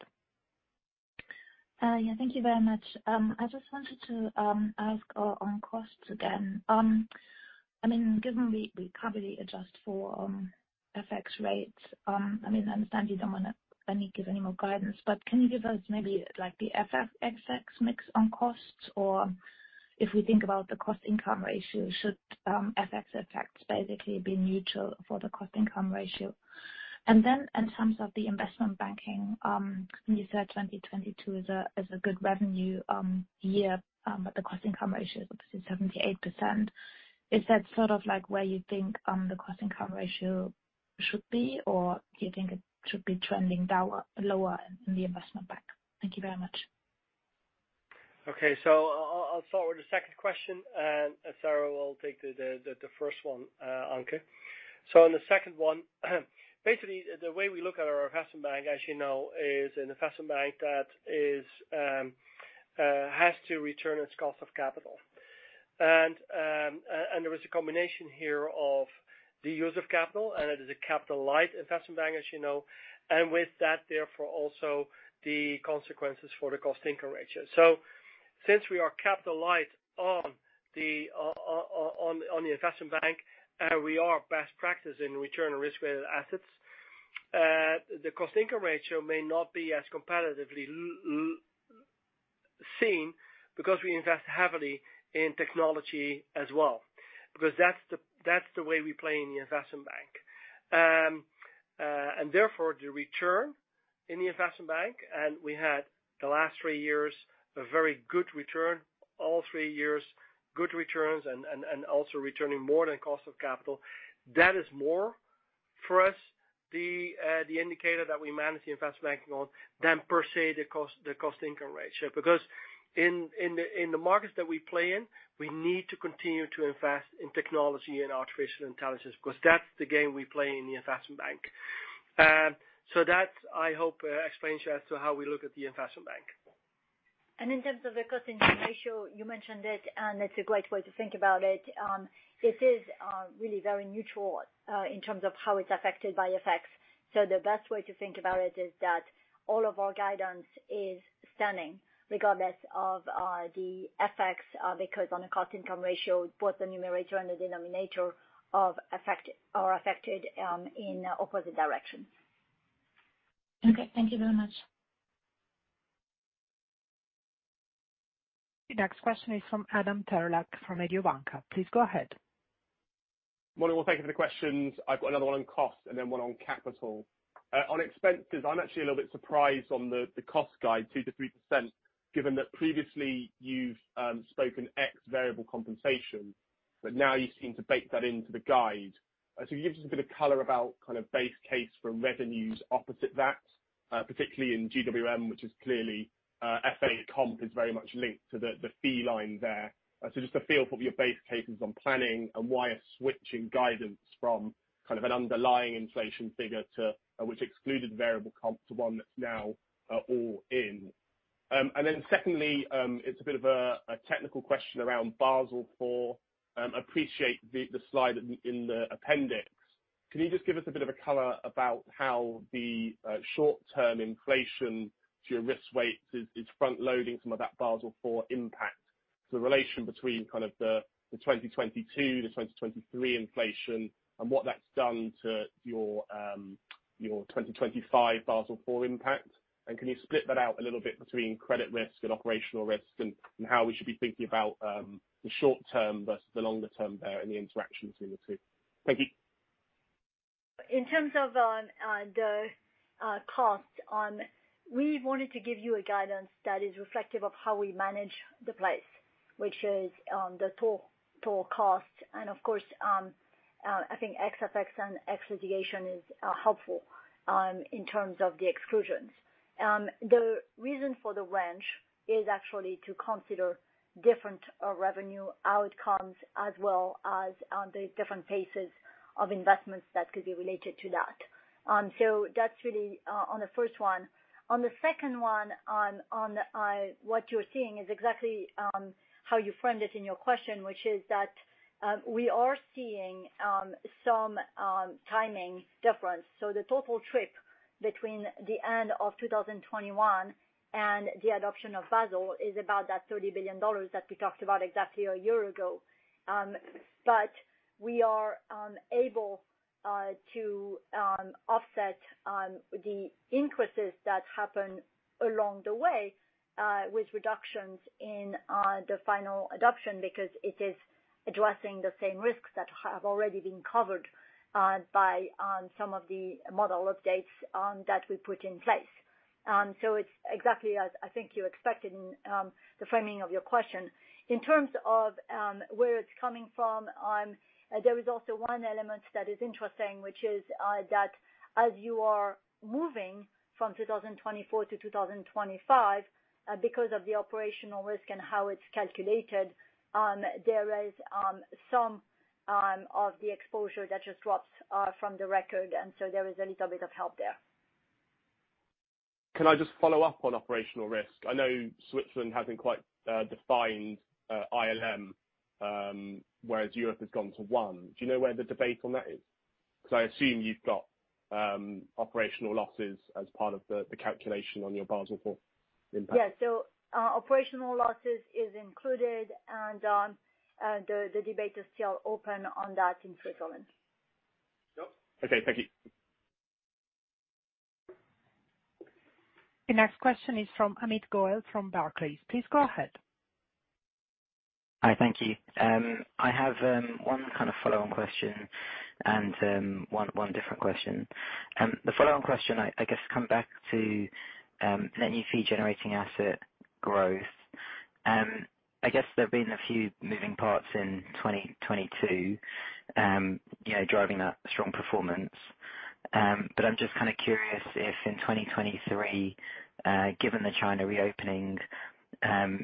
Yeah, thank you very much. I just wanted to ask on costs again. I mean, given we heavily adjust for FX rates, I mean, I understand you don't wanna give any more guidance, but can you give us maybe, like, the FX mix on costs? Or if we think about the cost-income ratio, should FX effects basically be neutral for the cost-income ratio? In terms of the Investment Banking, you said 2022 is a, is a good revenue year, but the cost-income ratio is obviously 78%. Is that sort of, like, where you think the cost-income ratio should be? Or do you think it should be trending lower in the Investment Bank? Thank you very much. Okay. I'll start with the second question, and Sarah will take the first one, Anke. On the second one, basically, the way we look at our Investment Bank, as you know, is an Investment Bank that is, has to return its cost of capital. There is a combination here of the use of capital, and it is a capital-light Investment Bank, as you know. With that, therefore, also the consequences for the cost/income ratio. Since we are capital light on the Investment Bank, and we are best practice in return on risk-weighted assets, the cost/income ratio may not be as competitively seen because we invest heavily in technology as well, because that's the, that's the way we play in the Investment Bank. The return in the Investment Bank, and we had the last three years a very good return, all three years good returns and also returning more than cost of capital. That is more for us, the indicator that we manage the Investment Banking on, than per se, the cost-income ratio. In the markets that we play in, we need to continue to invest in technology and artificial intelligence, 'cause that's the game we play in the Investment Bank. I hope explains you as to how we look at the Investment Bank. In terms of the cost-income ratio, you mentioned it, and it's a great way to think about it. It is really very neutral in terms of how it's affected by FX. The best way to think about it is that all of our guidance is stunning, regardless of the FX, because on a cost-income ratio, both the numerator and the denominator are affected in opposite directions. Okay. Thank you very much. The next question is from Adam Terelak from Mediobanca. Please go ahead. Morning, all. Thank you for the questions. I've got another one on cost and then one on capital. On expenses, I'm actually a little bit surprised on the cost guide, 2% to 3%, given that previously you've spoken X variable compensation, but now you seem to bake that into the guide. Can you give us a bit of color about kind of base case for revenues opposite that, particularly in GWM, which is clearly, FA comp is very much linked to the fee line there. Just a feel for your base cases on planning and why a switch in guidance from kind of an underlying inflation figure to, which excluded variable comp to one that's now all-in. Secondly, it's a bit of a technical question around Basel IV. Appreciate the slide in the appendix. Can you just give us a bit of a color about how the short-term inflation to your risk weights is front-loading some of that Basel IV impact? The relation between kind of the 2022 to 2023 inflation and what that's done to your 2025 Basel IV impact. Can you split that out a little bit between credit risk and operational risk and how we should be thinking about the short term versus the longer term there and the interaction between the two? Thank you. In terms of the cost on... We wanted to give you a guidance that is reflective of how we manage the place, which is, the total cost. Of course, I think ex effects and ex litigation is helpful in terms of the exclusions. The reason for the range is actually to consider different revenue outcomes as well as on the different paces of investments that could be related to that. That's really on the first one. On the second one, on, what you're seeing is exactly how you framed it in your question, which is that, we are seeing some timing difference. The total trip between the end of 2021 and the adoption of Basel is about that $30 billion that we talked about exactly a year ago. We are able to offset the increases that happen along the way with reductions in the final adoption because it is addressing the same risks that have already been covered by some of the model updates that we put in place. It's exactly as I think you expected in the framing of your question. In terms of where it's coming from, there is also one element that is interesting, which is that as you are moving from 2024 to 2025, because of the operational risk and how it's calculated, there is some of the exposure that just drops from the record, and so there is a little bit of help there. Can I just follow up on operational risk? I know Switzerland hasn't quite defined ILM, whereas Europe has gone to one. Do you know where the debate on that is? Because I assume you've got operational losses as part of the calculation on your Basel IV impact. Yes. operational losses is included and the debate is still open on that in Switzerland. Okay, thank you. The next question is from Amit Goel from Barclays. Please go ahead. Hi. Thank you. I have one kind of follow-on question and one different question. The follow-on question, I guess come back to net new fee-generating asset growth. I guess there have been a few moving parts in 2022, you know, driving that strong performance. But I'm just kinda curious if in 2023, given the China reopening,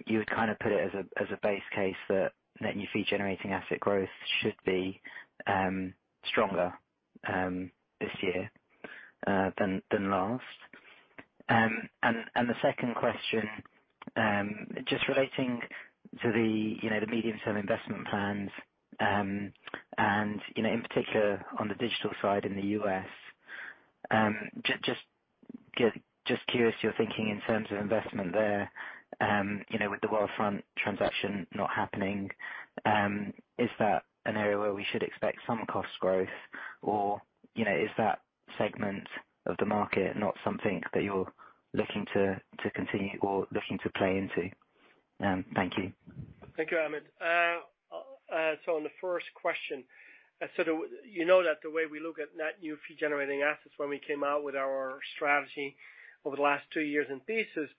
you would kinda put it as a base case that net new fee-generating asset growth should be stronger this year than last. The second question, just relating to the, you know, the medium-term investment plans, and, you know, in particular on the digital side in the U.S. Just curious your thinking in terms of investment there, you know, with the Wealthfront transaction not happening, is that an area where we should expect some cost growth? Or, you know, is that segment of the market not something that you're looking to continue or looking to play into? Thank you. Thank you, Amit. On the first question, you know that the way we look at net new fee-generating assets when we came out with our strategy over the last two years in thesis,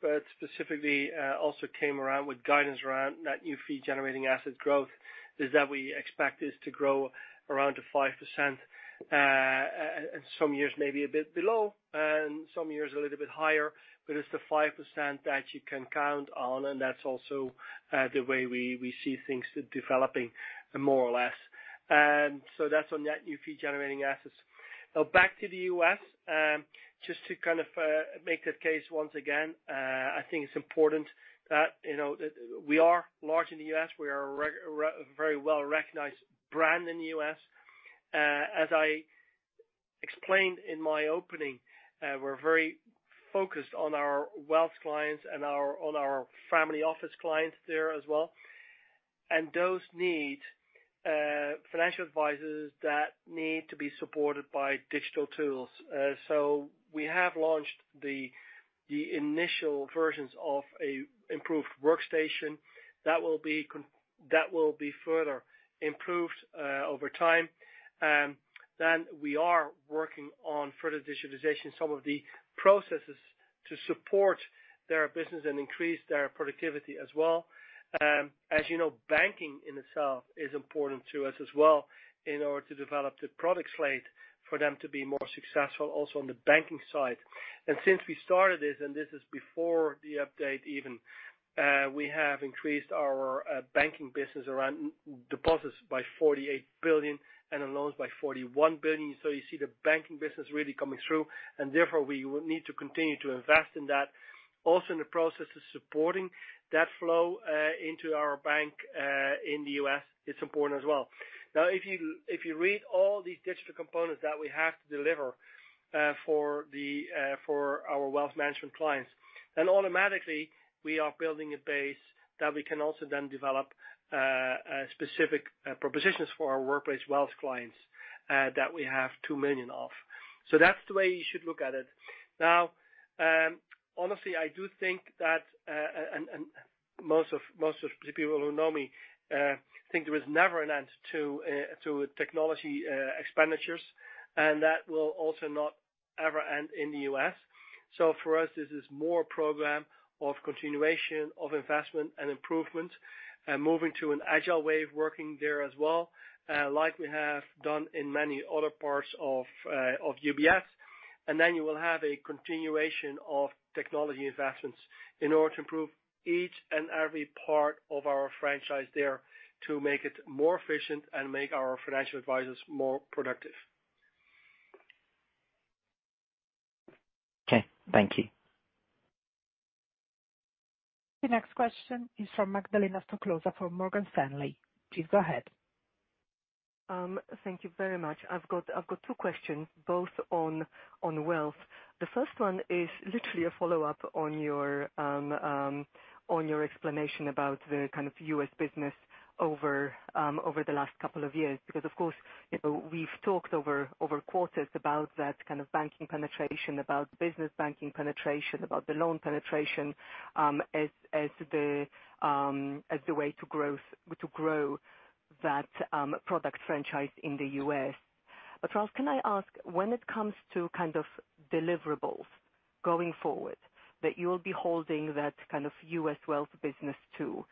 specifically, also came around with guidance around net new fee-generating asset growth, is that we expect this to grow around to 5%. Some years maybe a bit below and some years a little bit higher, it's the 5% that you can count on, that's also the way we see things developing more or less. That's on net new fee-generating assets. Back to the U.S., just to kind of make the case once again, I think it's important that, you know, that we are large in the U.S., we are a very well-recognized brand in the U.S. As I explained in my opening, we're very focused on our wealth clients and our, on our family office clients there as well. Those need financial advisors that need to be supported by digital tools. We have launched the initial versions of a improved workstation that will be further improved over time. We are working on further digitalization, some of the processes to support their business and increase their productivity as well. As you know, banking in itself is important to us as well in order to develop the product slate for them to be more successful also on the banking side. Since we started this, and this is before the update even, we have increased our banking business around deposits by $48 billion and our loans by $41 billion. You see the banking business really coming through, and therefore, we will need to continue to invest in that. In the process of supporting that flow into our bank in the U.S., it's important as well. Now, if you read all these digital components that we have to deliver for the for our wealth management clients, then automatically we are building a base that we can also then develop specific propositions for our workplace wealth clients that we have 2 million of. That's the way you should look at it. Now, Honestly, I do think that and most of the people who know me think there is never an end to technology expenditures, and that will also not ever end in the U.S. For us, this is more a program of continuation of investment and improvement and moving to an Agile way of working there as well, like we have done in many other parts of UBS. You will have a continuation of technology investments in order to improve each and every part of our franchise there to make it more efficient and make our financial advisors more productive. Okay, thank you. The next question is from Magdalena Stoklosa for Morgan Stanley. Please go ahead. Thank you very much. I've got two questions, both on wealth. The first one is literally a follow-up on your explanation about the kind of U.S. business over the last couple of years, because of course, you know, we've talked over quarters about that kind of banking penetration, about business banking penetration, about the loan penetration, as the way to grow that product franchise in the U.S. Ralph, can I ask, when it comes to kind of deliverables going forward, that you will be holding that kind of U.S. wealth business too,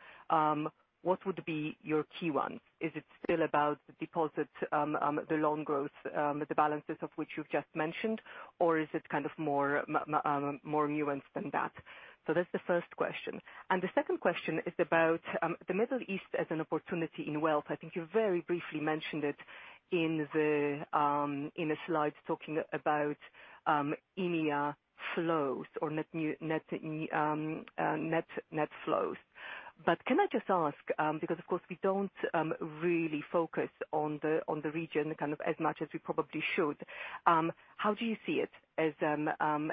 what would be your key one? Is it still about deposit, the loan growth, the balances of which you've just mentioned? Is it kind of more nuanced than that? That's the first question. The second question is about the Middle East as an opportunity in wealth. I think you very briefly mentioned it in the in a slide talking about India flows or net net flows. Can I just ask because of course we don't really focus on the on the region kind of as much as we probably should, how do you see it as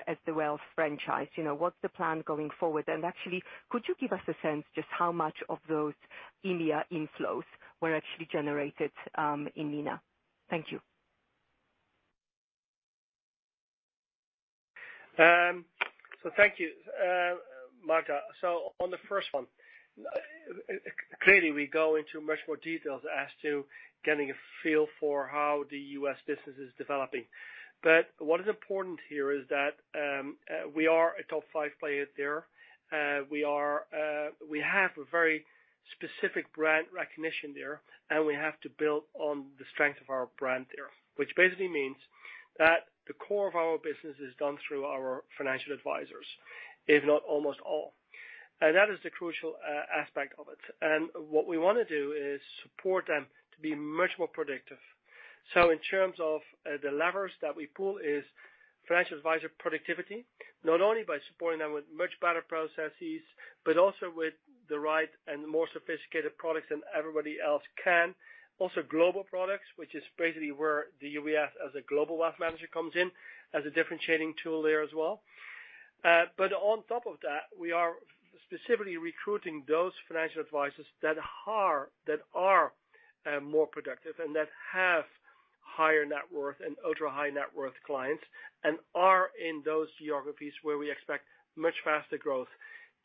as the wealth franchise? You know, what's the plan going forward? Actually, could you give us a sense just how much of those India inflows were actually generated in MENA? Thank you. Thank you, Magda. On the first one, clearly, we go into much more details as to getting a feel for how the U.S. business is developing. What is important here is that we are a top five player there. We are, we have a very specific brand recognition there, and we have to build on the strength of our brand there, which basically means that the core of our business is done through our financial advisors, if not almost all. That is the crucial aspect of it. What we wanna do is support them to be much more productive. In terms of the levers that we pull is financial advisor productivity, not only by supporting them with much better processes, but also with the right and more sophisticated products than everybody else can. Global products, which is basically where UBS as a global wealth manager comes in as a differentiating tool there as well. On top of that, we are specifically recruiting those financial advisors that are more productive and that have higher net worth and ultra-high net worth clients and are in those geographies where we expect much faster growth.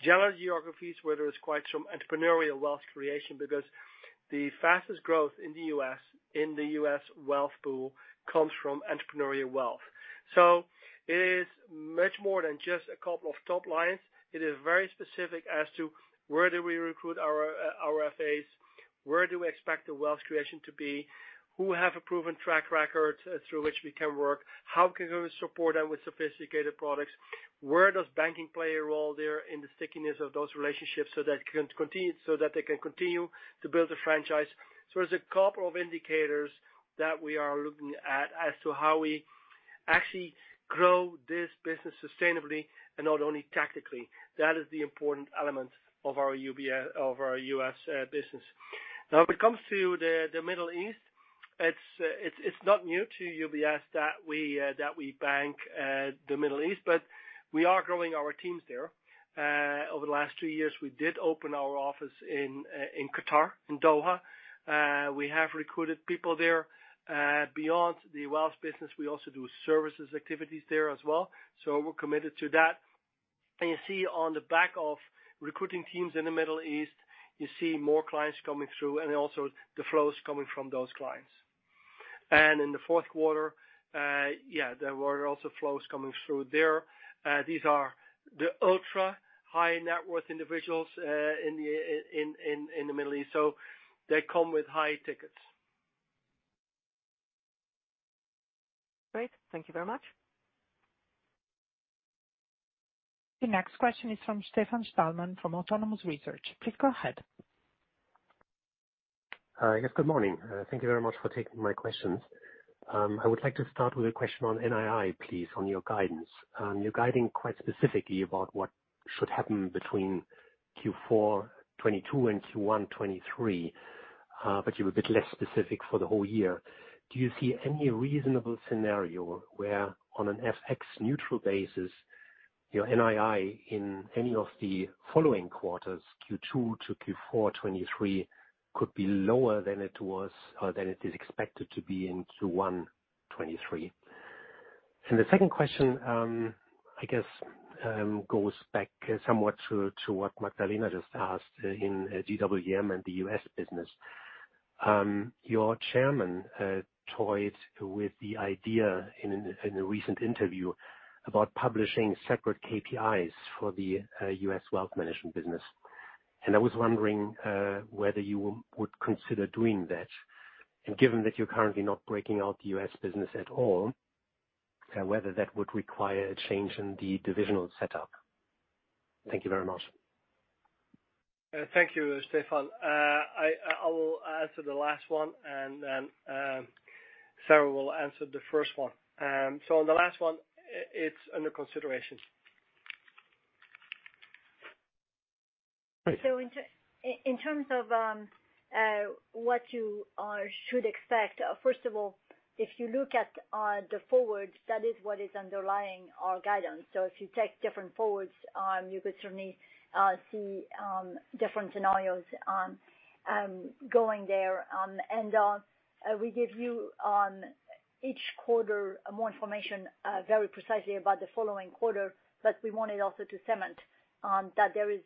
General geographies, where there is quite some entrepreneurial wealth creation because the fastest growth in the U.S., in the U.S. wealth pool comes from entrepreneurial wealth. It is much more than just a couple of top lines. It is very specific as to where do we recruit our FAs, where do we expect the wealth creation to be, who have a proven track record through which we can work? How can we support them with sophisticated products? Where does banking play a role there in the stickiness of those relationships, so that they can continue to build the franchise? There's [inaudible] indicators that we are looking at as to how we actually grow this business sustainably and not only tactically. That is the important element of our U.S. business. If it comes to the Middle East, it's not new to UBS that we bank the Middle East, but we are growing our teams there. Over the last two years, we did open our office in Qatar, in Doha. We have recruited people there. Beyond the wealth business, we also do services activities there as well. We're committed to that. You see on the back of recruiting teams in the Middle East, you see more clients coming through and also the flows coming from those clients. In the fourth quarter, there were also flows coming through there. These are the ultra-high net worth individuals in the Middle East, so they come with high tickets. Great. Thank you very much. The next question is from Stefan Stalmann from Autonomous Research. Please go ahead. Yes, good morning. Thank you very much for taking my questions. I would like to start with a question on NII, please, on your guidance. You're guiding quite specifically about what should happen between Q4 2022 and Q1 2023, you're a bit less specific for the whole year. Do you see any reasonable scenario where on an an FX neutral basis, your NII in any of the following quarters, Q2 to Q4 2023 could be lower than it was, than it is expected to be in Q1 2023? The second question, I guess, goes back somewhat to what Magdalena just asked in GWM and the U.S. business. Your chairman toyed with the idea in a recent interview about publishing separate KPIs for the U.S. wealth management business, and I was wondering whether you would consider doing that. Given that you're currently not breaking out the U.S. business at all, whether that would require a change in the divisional setup. Thank you very much. Thank you, Stefan. I will answer the last one, and then, Sarah will answer the first one. On the last one, it's under consideration. In terms of what you should expect, first of all, if you look at the forwards, that is what is underlying our guidance. If you take different forwards, you could certainly see different scenarios going there. We give you each quarter more information very precisely about the following quarter, but we wanted also to cement that there is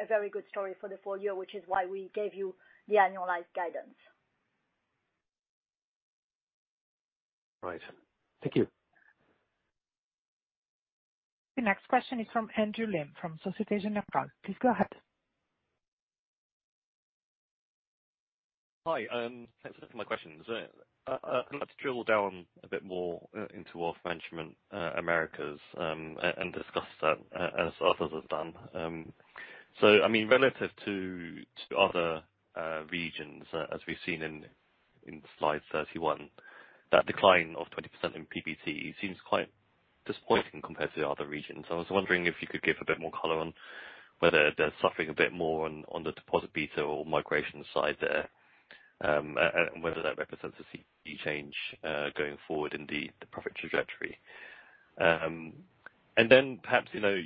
a very good story for the full year, which is why we gave you the annualized guidance. Right. Thank you. The next question is from Andrew Lim, from Societe Generale. Please go ahead. Hi, thanks for taking my questions. I'd like to drill down a bit more into Wealth Management Americas and discuss that as others have done. I mean, relative to other regions, as we've seen in slide 31, that decline of 20% in PBT seems quite disappointing compared to the other regions. I was wondering if you could give a bit more color on whether they're suffering a bit more on the deposit beta or migration side there, and whether that represents a key change going forward in the profit trajectory. Perhaps, you know,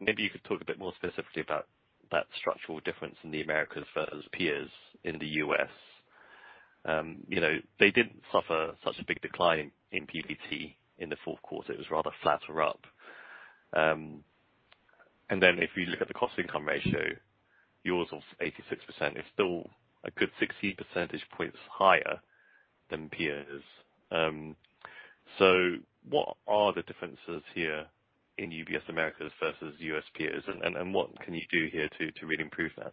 maybe you could talk a bit more specifically about that structural difference in the Americas versus peers in the U.S. You know, they didn't suffer such a big decline in PBT in the fourth quarter, it was rather flat or up. If you look at the cost/income ratio, yours of 86% is still a good 60 percentage points higher than peers. What are the differences here in UBS Americas versus U.S. peers? What can you do here to really improve that?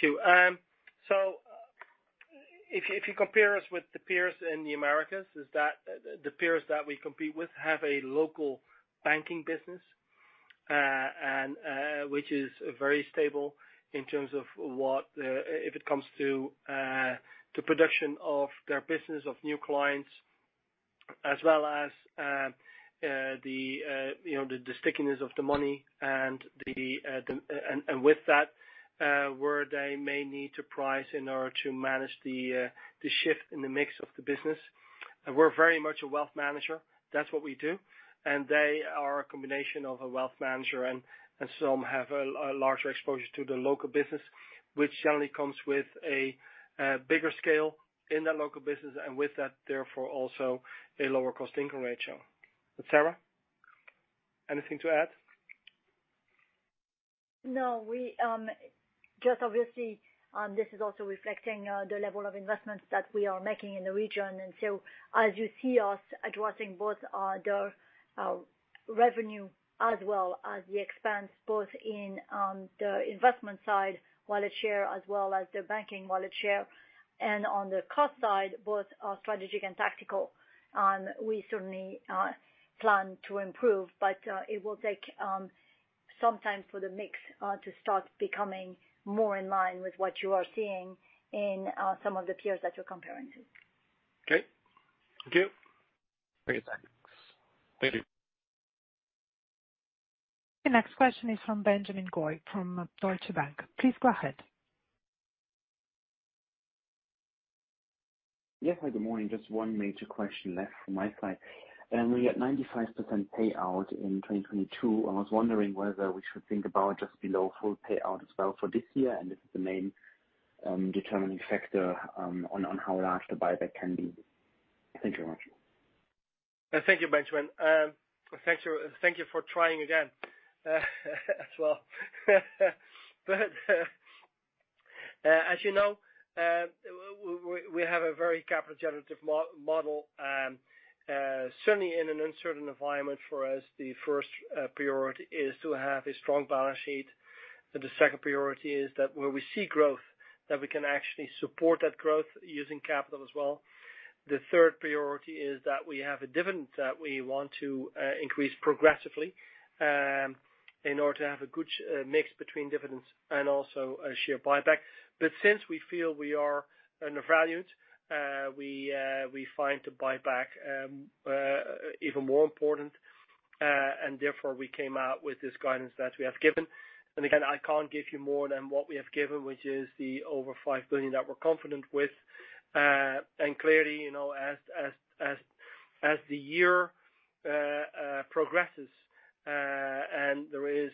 Thank you. If you compare us with the peers in the Americas, is that the peers that we compete with have a local banking business, and which is very stable in terms of what, if it comes to, the production of their business of new clients, as well as you know, the stickiness of the money and with that, where they may need to price in order to manage the shift in the mix of the business. We're very much a wealth manager. That's what we do. They are a combination of a wealth manager and some have a larger exposure to the local business, which generally comes with a bigger scale in their local business, and with that, therefore, also a lower cost/income ratio. Sarah, anything to add? No. We just obviously, this is also reflecting the level of investments that we are making in the region. As you see us addressing both, the revenue as well as the expense, both in the investment side, wallet share, as well as the banking wallet share, and on the cost side, both strategic and tactical, we certainly plan to improve, but it will take some time for the mix to start becoming more in line with what you are seeing in some of the peers that you're comparing to. Okay. Thank you. Great. Thanks. Thank you. The next question is from Benjamin Goy, from Deutsche Bank. Please go ahead. Yes. Hi, good morning. Just one major question left from my side. We had 95% payout in 2022. I was wondering whether we should think about just below full payout as well for this year, and if it's the main determining factor, on how large the buyback can be. Thank you very much. Thank you, Benjamin. Thank you, thank you for trying again, as well. As you know, we have a very capital generative model, certainly in an uncertain environment. For us, the first priority is to have a strong balance sheet, and the second priority is that where we see growth, that we can actually support that growth using capital as well. The third priority is that we have a dividend that we want to increase progressively, in order to have a good mix between dividends and also a share buyback. Since we feel we are undervalued, we find the buyback even more important, and therefore we came out with this guidance that we have given. Again, I can't give you more than what we have given, which is the over $5 billion that we're confident with. Clearly, you know, as the year progresses, there is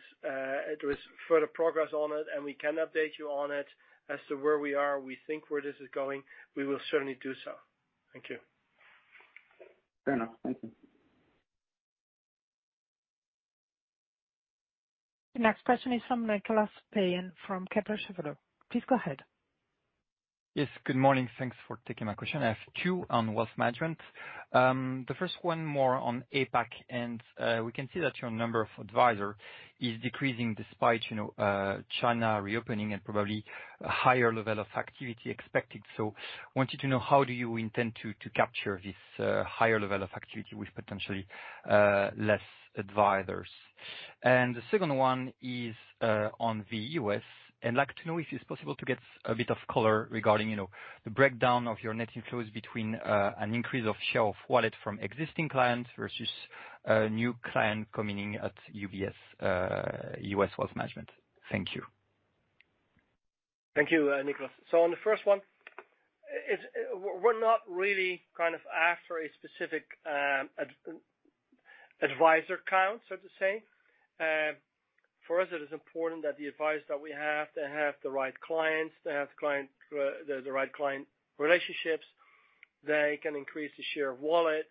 further progress on it, and we can update you on it as to where we are. We think where this is going, we will certainly do so. Thank you. Fair enough. Thank you. The next question is from Nicolas Payen from Kepler Cheuvreux. Please go ahead. Yes, good morning. Thanks for taking my question. I have two on wealth management. The first one more on APAC, and we can see that your number of advisor is decreasing despite, you know, China reopening and probably a higher level of activity expected. Wanted to know how do you intend to capture this higher level of activity with potentially less advisors. The second one is on the U.S. I'd like to know if it's possible to get a bit of color regarding, you know, the breakdown of your net inflows between an increase of share of wallet from existing clients versus new client coming at UBS, US Wealth Management. Thank you. Thank you, Nicolas. On the first one, we're not really kind of after a specific advisor count, so to say. For us, it is important that the advice that we have to have the right clients, to have client the right client relationships, they can increase the share of wallet.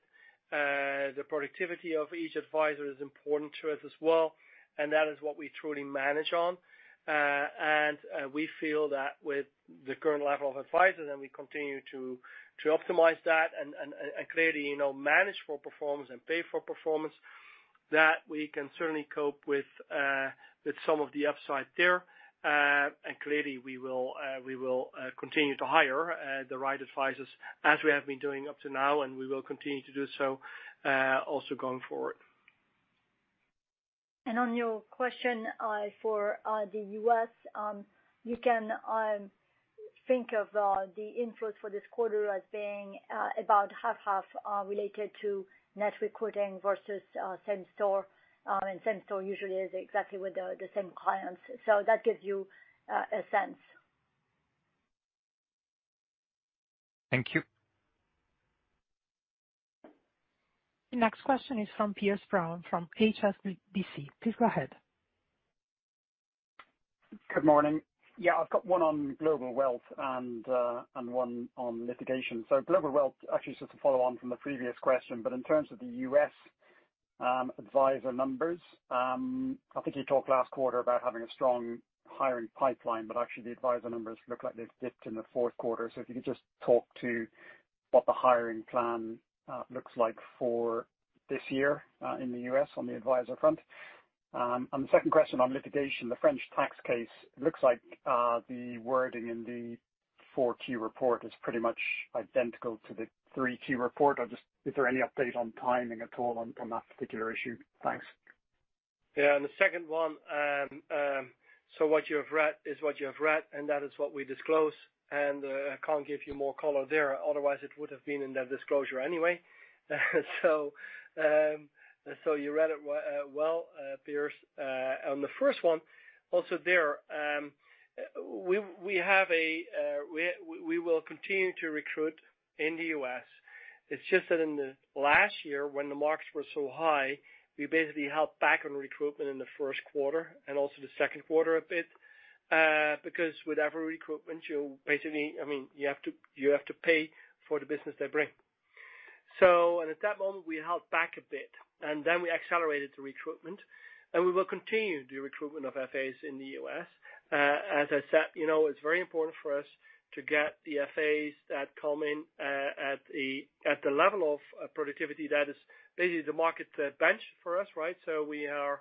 The productivity of each advisor is important to us as well, and that is what we truly manage on. We feel that with the current level of advisors, and we continue to optimize that and clearly, you know, manage for performance and pay for performance, that we can certainly cope with some of the upside there. Clearly, we will continue to hire the right advisors as we have been doing up to now, and we will continue to do so also going forward. On your question, for the U.S., you can think of the inflows for this quarter as being about 50/50, related to net recruiting versus same-store, and same-store usually is exactly with the same clients. That gives you a sense. Thank you. The next question is from Piers Brown from HSBC. Please go ahead. Good morning. Yeah, I've got one on global wealth and one on litigation. Global wealth, actually, just to follow on from the previous question, but in terms of the U.S advisor numbers, I think you talked last quarter about having a strong hiring pipeline, but actually the advisor numbers look like they've dipped in the fourth quarter. If you could just talk to what the hiring plan looks like for this year in the U.S. on the advisor front. The second question on litigation, the French tax case, it looks like the wording in the 4Q report is pretty much identical to the 3Q report. Is there any update on timing at all on that particular issue? On the second one, what you have read is what you have read, and that is what we disclose. I can't give you more color there, otherwise it would have been in that disclosure anyway. You read it well, Piers. On the first one, also there, we will continue to recruit in the U.S. It's just that in the last year when the markets were so high, we basically held back on recruitment in the first quarter and also the second quarter a bit because with every recruitment, you basically, I mean, you have to pay for the business they bring. At that moment, we held back a bit and we accelerated the recruitment. We will continue the recruitment of FAs in the U.S. As I said, you know, it's very important for us to get the FAs that come in at the level of productivity that is basically the market bench for us, right? We are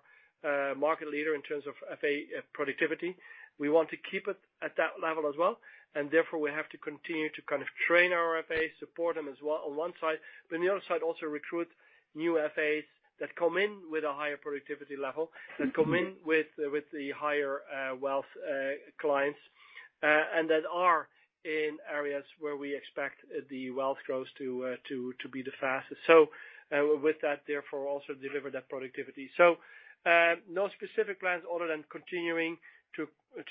market leader in terms of FA productivity. We want to keep it at that level as well, and therefore, we have to continue to kind of train our FAs, support them as well on one side, but on the other side, also recruit new FAs that come in with a higher productivity level and come in with the higher wealth clients and that are in areas where we expect the wealth growth to be the fastest. With that, therefore, also deliver that productivity. No specific plans other than continuing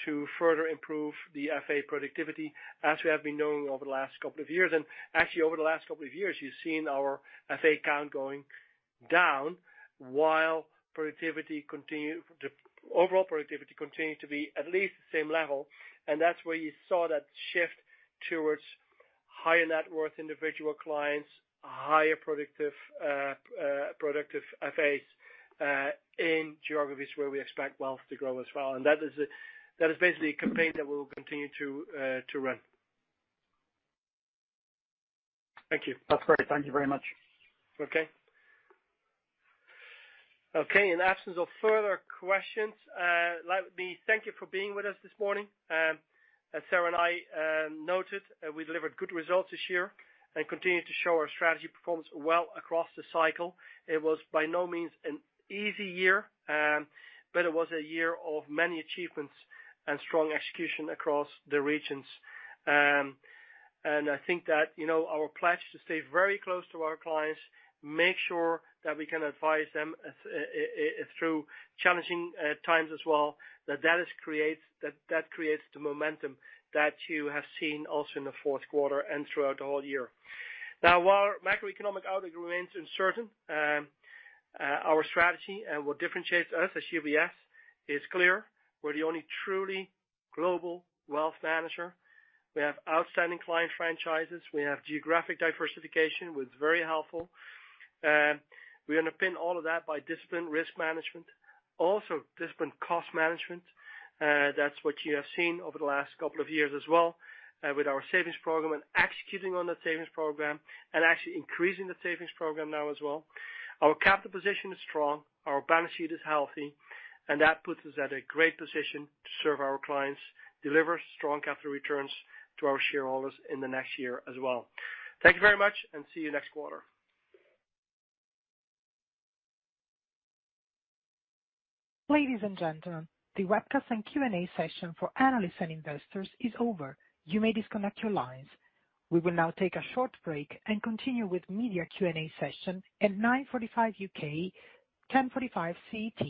to further improve the FA productivity as we have been doing over the last couple of years. Actually, over the last couple of years, you've seen our FA count going down while productivity, the overall productivity continue to be at least the same level, and that's where you saw that shift towards higher net worth individual clients, higher productive FAs in geographies where we expect wealth to grow as well. That is, that is basically a campaign that we will continue to run. Thank you. That's great. Thank you very much. In absence of further questions, let me thank you for being with us this morning. As Sarah and I noted, we delivered good results this year and continued to show our strategy performs well across the cycle. It was by no means an easy year, it was a year of many achievements and strong execution across the regions. I think that, you know, our pledge to stay very close to our clients, make sure that we can advise them through challenging times as well, that creates the momentum that you have seen also in the fourth quarter and throughout the whole year. While macroeconomic outlook remains uncertain, our strategy and what differentiates us as UBS is clear. We're the only truly global wealth manager. We have outstanding client franchises. We have geographic diversification, which is very helpful. We underpin all of that by disciplined risk management, also disciplined cost management. That's what you have seen over the last couple of years as well, with our savings program and executing on that savings program and actually increasing the savings program now as well. Our capital position is strong, our balance sheet is healthy, and that puts us at a great position to serve our clients, deliver strong capital returns to our shareholders in the next year as well. Thank you very much, and see you next quarter. Ladies and gentlemen, the webcast and Q&A session for analysts and investors is over. You may disconnect your lines. We will now take a short break and continue with media Q&A session at 9:45 UK, 10:45 CET.